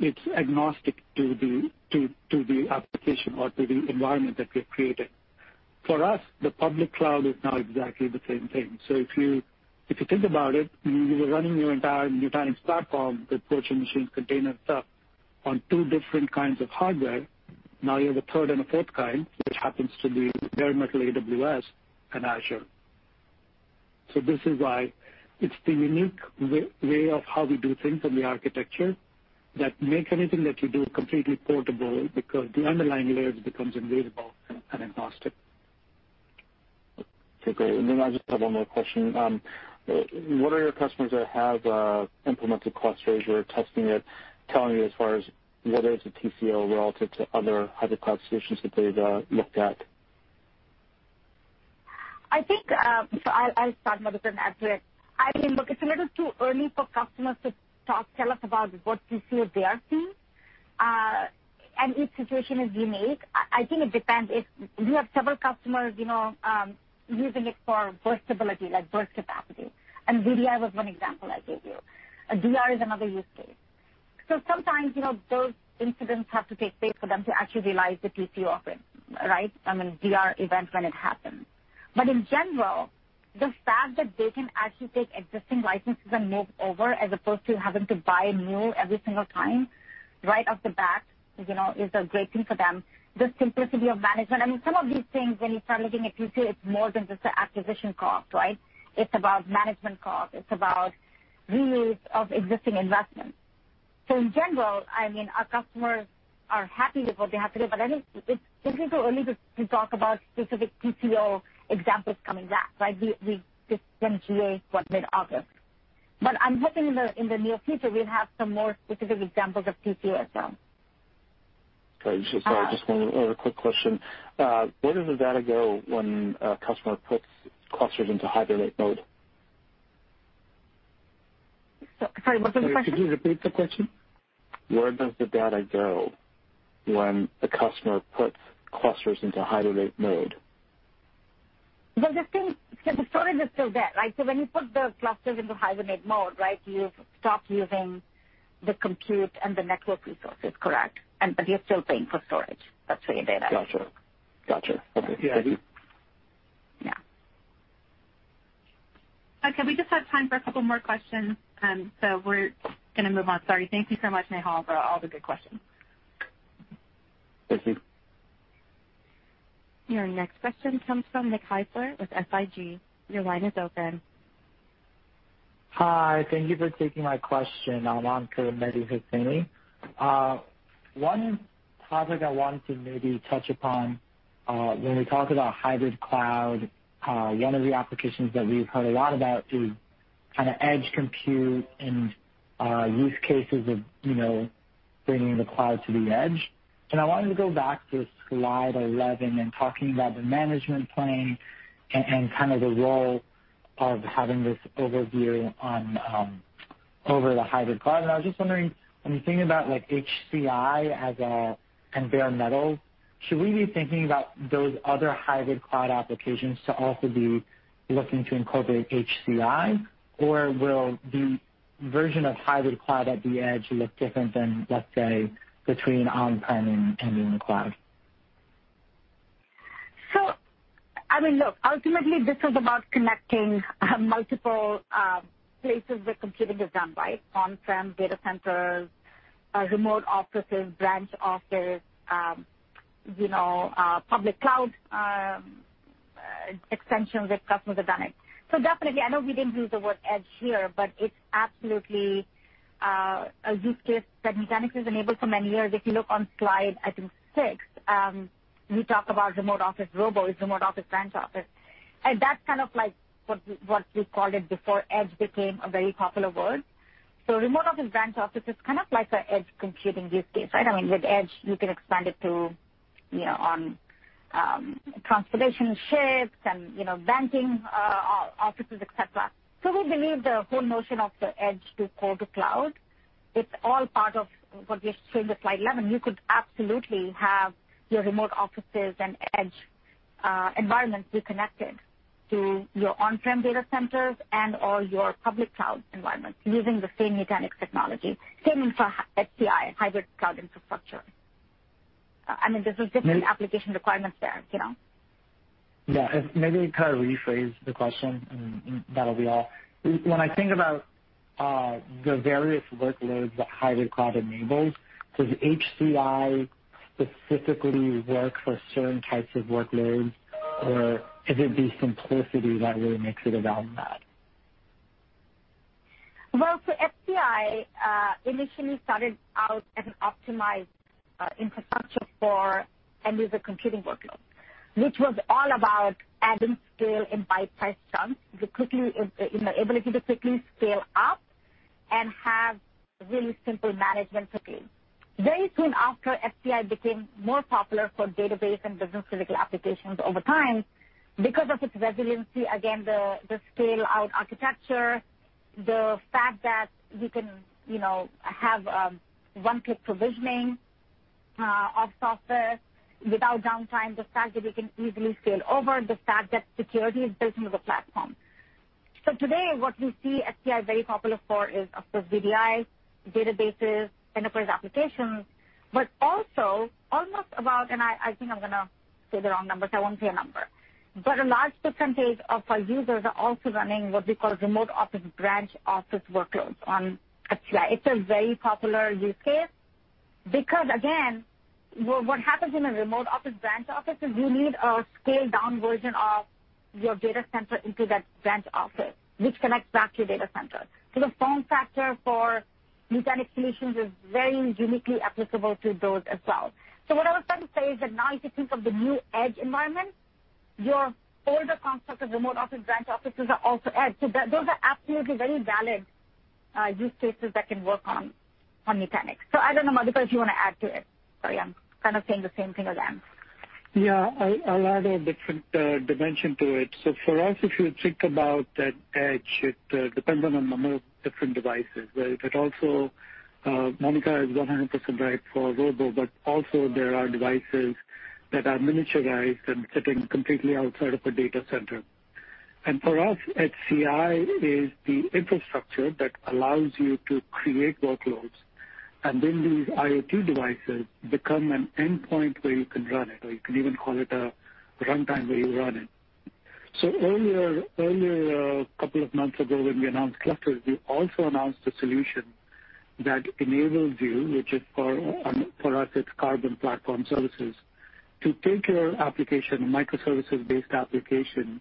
it is agnostic to the application or to the environment that we have created. For us, the public cloud is now exactly the same thing. If you think about it, you were running your entire Nutanix platform with virtual machines, containers, stuff on two different kinds of hardware. Now you have a third and a fourth kind, which happens to be bare metal AWS and Azure. This is why it's the unique way of how we do things and the architecture that makes anything that you do completely portable because the underlying layers become invisible and agnostic. Okay. I just have one more question. What are your customers that have implemented Clusters, you're testing it, telling me as far as what is the TCO relative to other hybrid cloud solutions that they've looked at? I think, I'll start, Madhakar, and add to it. I mean, look, it's a little too early for customers to tell us about what TCO they are seeing. Each situation is unique. I think it depends. We have several customers using it for burstability, like burst capacity. And DR was one example I gave you. DR is another use case. Sometimes those incidents have to take place for them to actually realize the TCO of it, right? I mean, DR event when it happens. In general, the fact that they can actually take existing licenses and move over as opposed to having to buy new every single time right off the bat is a great thing for them. The simplicity of management. Some of these things, when you start looking at TCO, it's more than just an acquisition cost, right? It's about management cost. It's about reuse of existing investments. In general, I mean, our customers are happy with what they have today. I think it's simply too early to talk about specific TCO examples coming back, right? We just NGA what, mid-August. I'm hoping in the near future, we'll have some more specific examples of TCO as well. Sorry. Just one other quick question. Where does the data go when a customer puts Clusters into hibernate mode? Sorry, what was the question? Could you repeat the question? Where does the data go when a customer puts Clusters into hibernate mode? The storage is still there, right? So when you put the Clusters into hibernate mode, right, you've stopped using the compute and the network resources, correct? But you're still paying for storage. That's where your data is. Gotcha. Gotcha. Okay. Yeah. Okay. We just have time for a couple more questions. We are going to move on. Sorry. Thank you so much, Nehal, for all the good questions. Thank you. Your next question comes from Nick Heisler with Susquehanna International Group. Your line is open. Hi. Thank you for taking my question. I'm on for Mehdi Hosseini. One topic I wanted to maybe touch upon when we talk about hybrid cloud, one of the applications that we've heard a lot about is kind of edge compute and use cases of bringing the cloud to the edge. I wanted to go back to slide 11 and talking about the management plane and kind of the role of having this overview over the hybrid cloud. I was just wondering, when you think about HCI and bare metal, should we be thinking about those other hybrid cloud applications to also be looking to incorporate HCI? Or will the version of hybrid cloud at the edge look different than, let's say, between on-prem and in the cloud? I mean, look, ultimately, this is about connecting multiple places where computing is done, right? On-prem data centers, remote offices, branch office, public cloud extensions that customers have done it. Definitely, I know we didn't use the word edge here, but it's absolutely a use case that Nutanix has enabled for many years. If you look on slide, I think six, we talk about remote office robo, remote office branch office. That's kind of like what we called it before edge became a very popular word. Remote office branch office is kind of like an edge computing use case, right? I mean, with edge, you can expand it to transportation ships and banking offices, etc. We believe the whole notion of the edge to core to cloud, it's all part of what we explained at slide 11. You could absolutely have your remote offices and edge environments be connected to your on-prem data centers and/or your public cloud environments using the same Nutanix technology, same HCI, hybrid cloud infrastructure. I mean, there's just different application requirements there. Yeah. Maybe kind of rephrase the question, and that'll be all. When I think about the various workloads that hybrid cloud enables, does HCI specifically work for certain types of workloads, or is it the simplicity that really makes it about that? HCI initially started out as an optimized infrastructure for end-user computing workloads, which was all about adding scale in bypass chunks, the ability to quickly scale up and have really simple management. Very soon after, HCI became more popular for database and business critical applications over time because of its resiliency, again, the scale-out architecture, the fact that you can have one-click provisioning of software without downtime, the fact that you can easily scale over, the fact that security is built into the platform. Today, what we see HCI very popular for is, of course, VDI, databases, enterprise applications, but also almost about, and I think I'm going to say the wrong number. I won't say a number. A large percentage of our users are also running what we call remote office branch office workloads on HCI. It's a very popular use case because, again, what happens in a remote office branch office is you need a scaled-down version of your data center into that branch office, which connects back to your data center. The form factor for Nutanix solutions is very uniquely applicable to those as well. What I was trying to say is that now if you think of the new edge environment, your older concept of remote office branch offices are also edge. Those are absolutely very valid use cases that can work on Nutanix. I don't know, Madhakar, if you want to add to it. Sorry, I'm kind of saying the same thing again. Yeah. A lot of different dimension to it. For us, if you think about that edge, it depends on the number of different devices. Madhukar is 100% right for robo, but also there are devices that are miniaturized and sitting completely outside of a data center. For us, HCI is the infrastructure that allows you to create workloads. These IoT devices become an endpoint where you can run it, or you can even call it a runtime where you run it. Earlier, a couple of months ago, when we announced Clusters, we also announced a solution that enables you, which is for us, it's Karbon Platform Services, to take your application, a microservices-based application,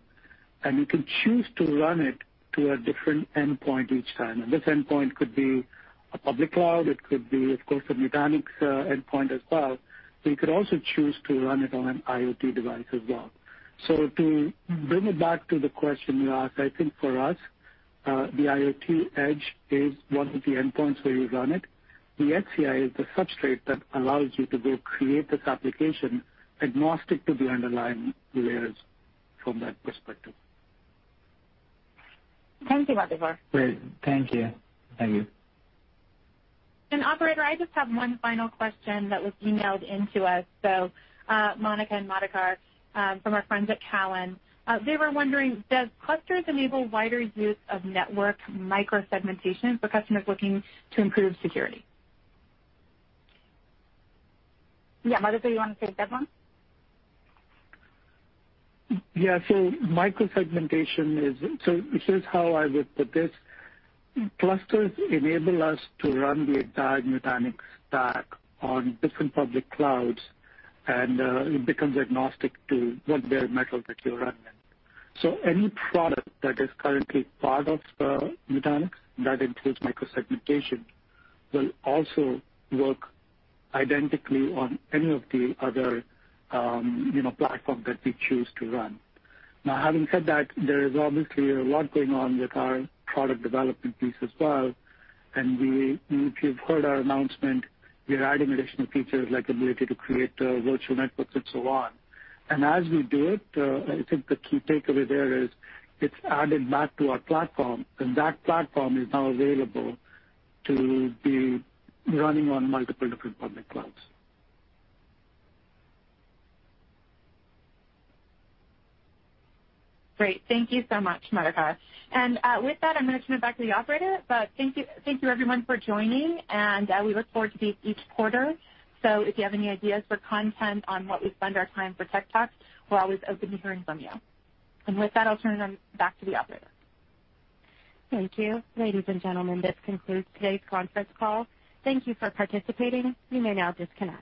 and you can choose to run it to a different endpoint each time. This endpoint could be a public cloud. It could be, of course, a Nutanix endpoint as well. You could also choose to run it on an IoT device as well. To bring it back to the question you asked, I think for us, the IoT edge is one of the endpoints where you run it. The HCI is the substrate that allows you to go create this application agnostic to the underlying layers from that perspective. Thank you, Madhakar. Great. Thank you. Thank you. Operator, I just have one final question that was emailed into us. Monica and Madhakar from our friends at Cowen, they were wondering, does Clusters enable wider use of network microsegmentation for customers looking to improve security? Yeah. Madhakar, you want to take that one? Yeah. Microsegmentation is, so here's how I would put this. Clusters enable us to run the entire Nutanix stack on different public clouds, and it becomes agnostic to what bare metal that you're running in. Any product that is currently part of Nutanix that includes microsegmentation will also work identically on any of the other platforms that we choose to run. Now, having said that, there is obviously a lot going on with our product development piece as well. If you've heard our announcement, we're adding additional features like the ability to create virtual networks and so on. As we do it, I think the key takeaway there is it's added back to our platform, and that platform is now available to be running on multiple different public clouds. Great. Thank you so much, Madhakar. I am going to turn it back to the operator. Thank you, everyone, for joining. We look forward to these each quarter. If you have any ideas for content on what we spend our time for tech talks, we are always open to hearing from you. I will turn it back to the operator. Thank you. Ladies and gentlemen, this concludes today's conference call. Thank you for participating. You may now disconnect.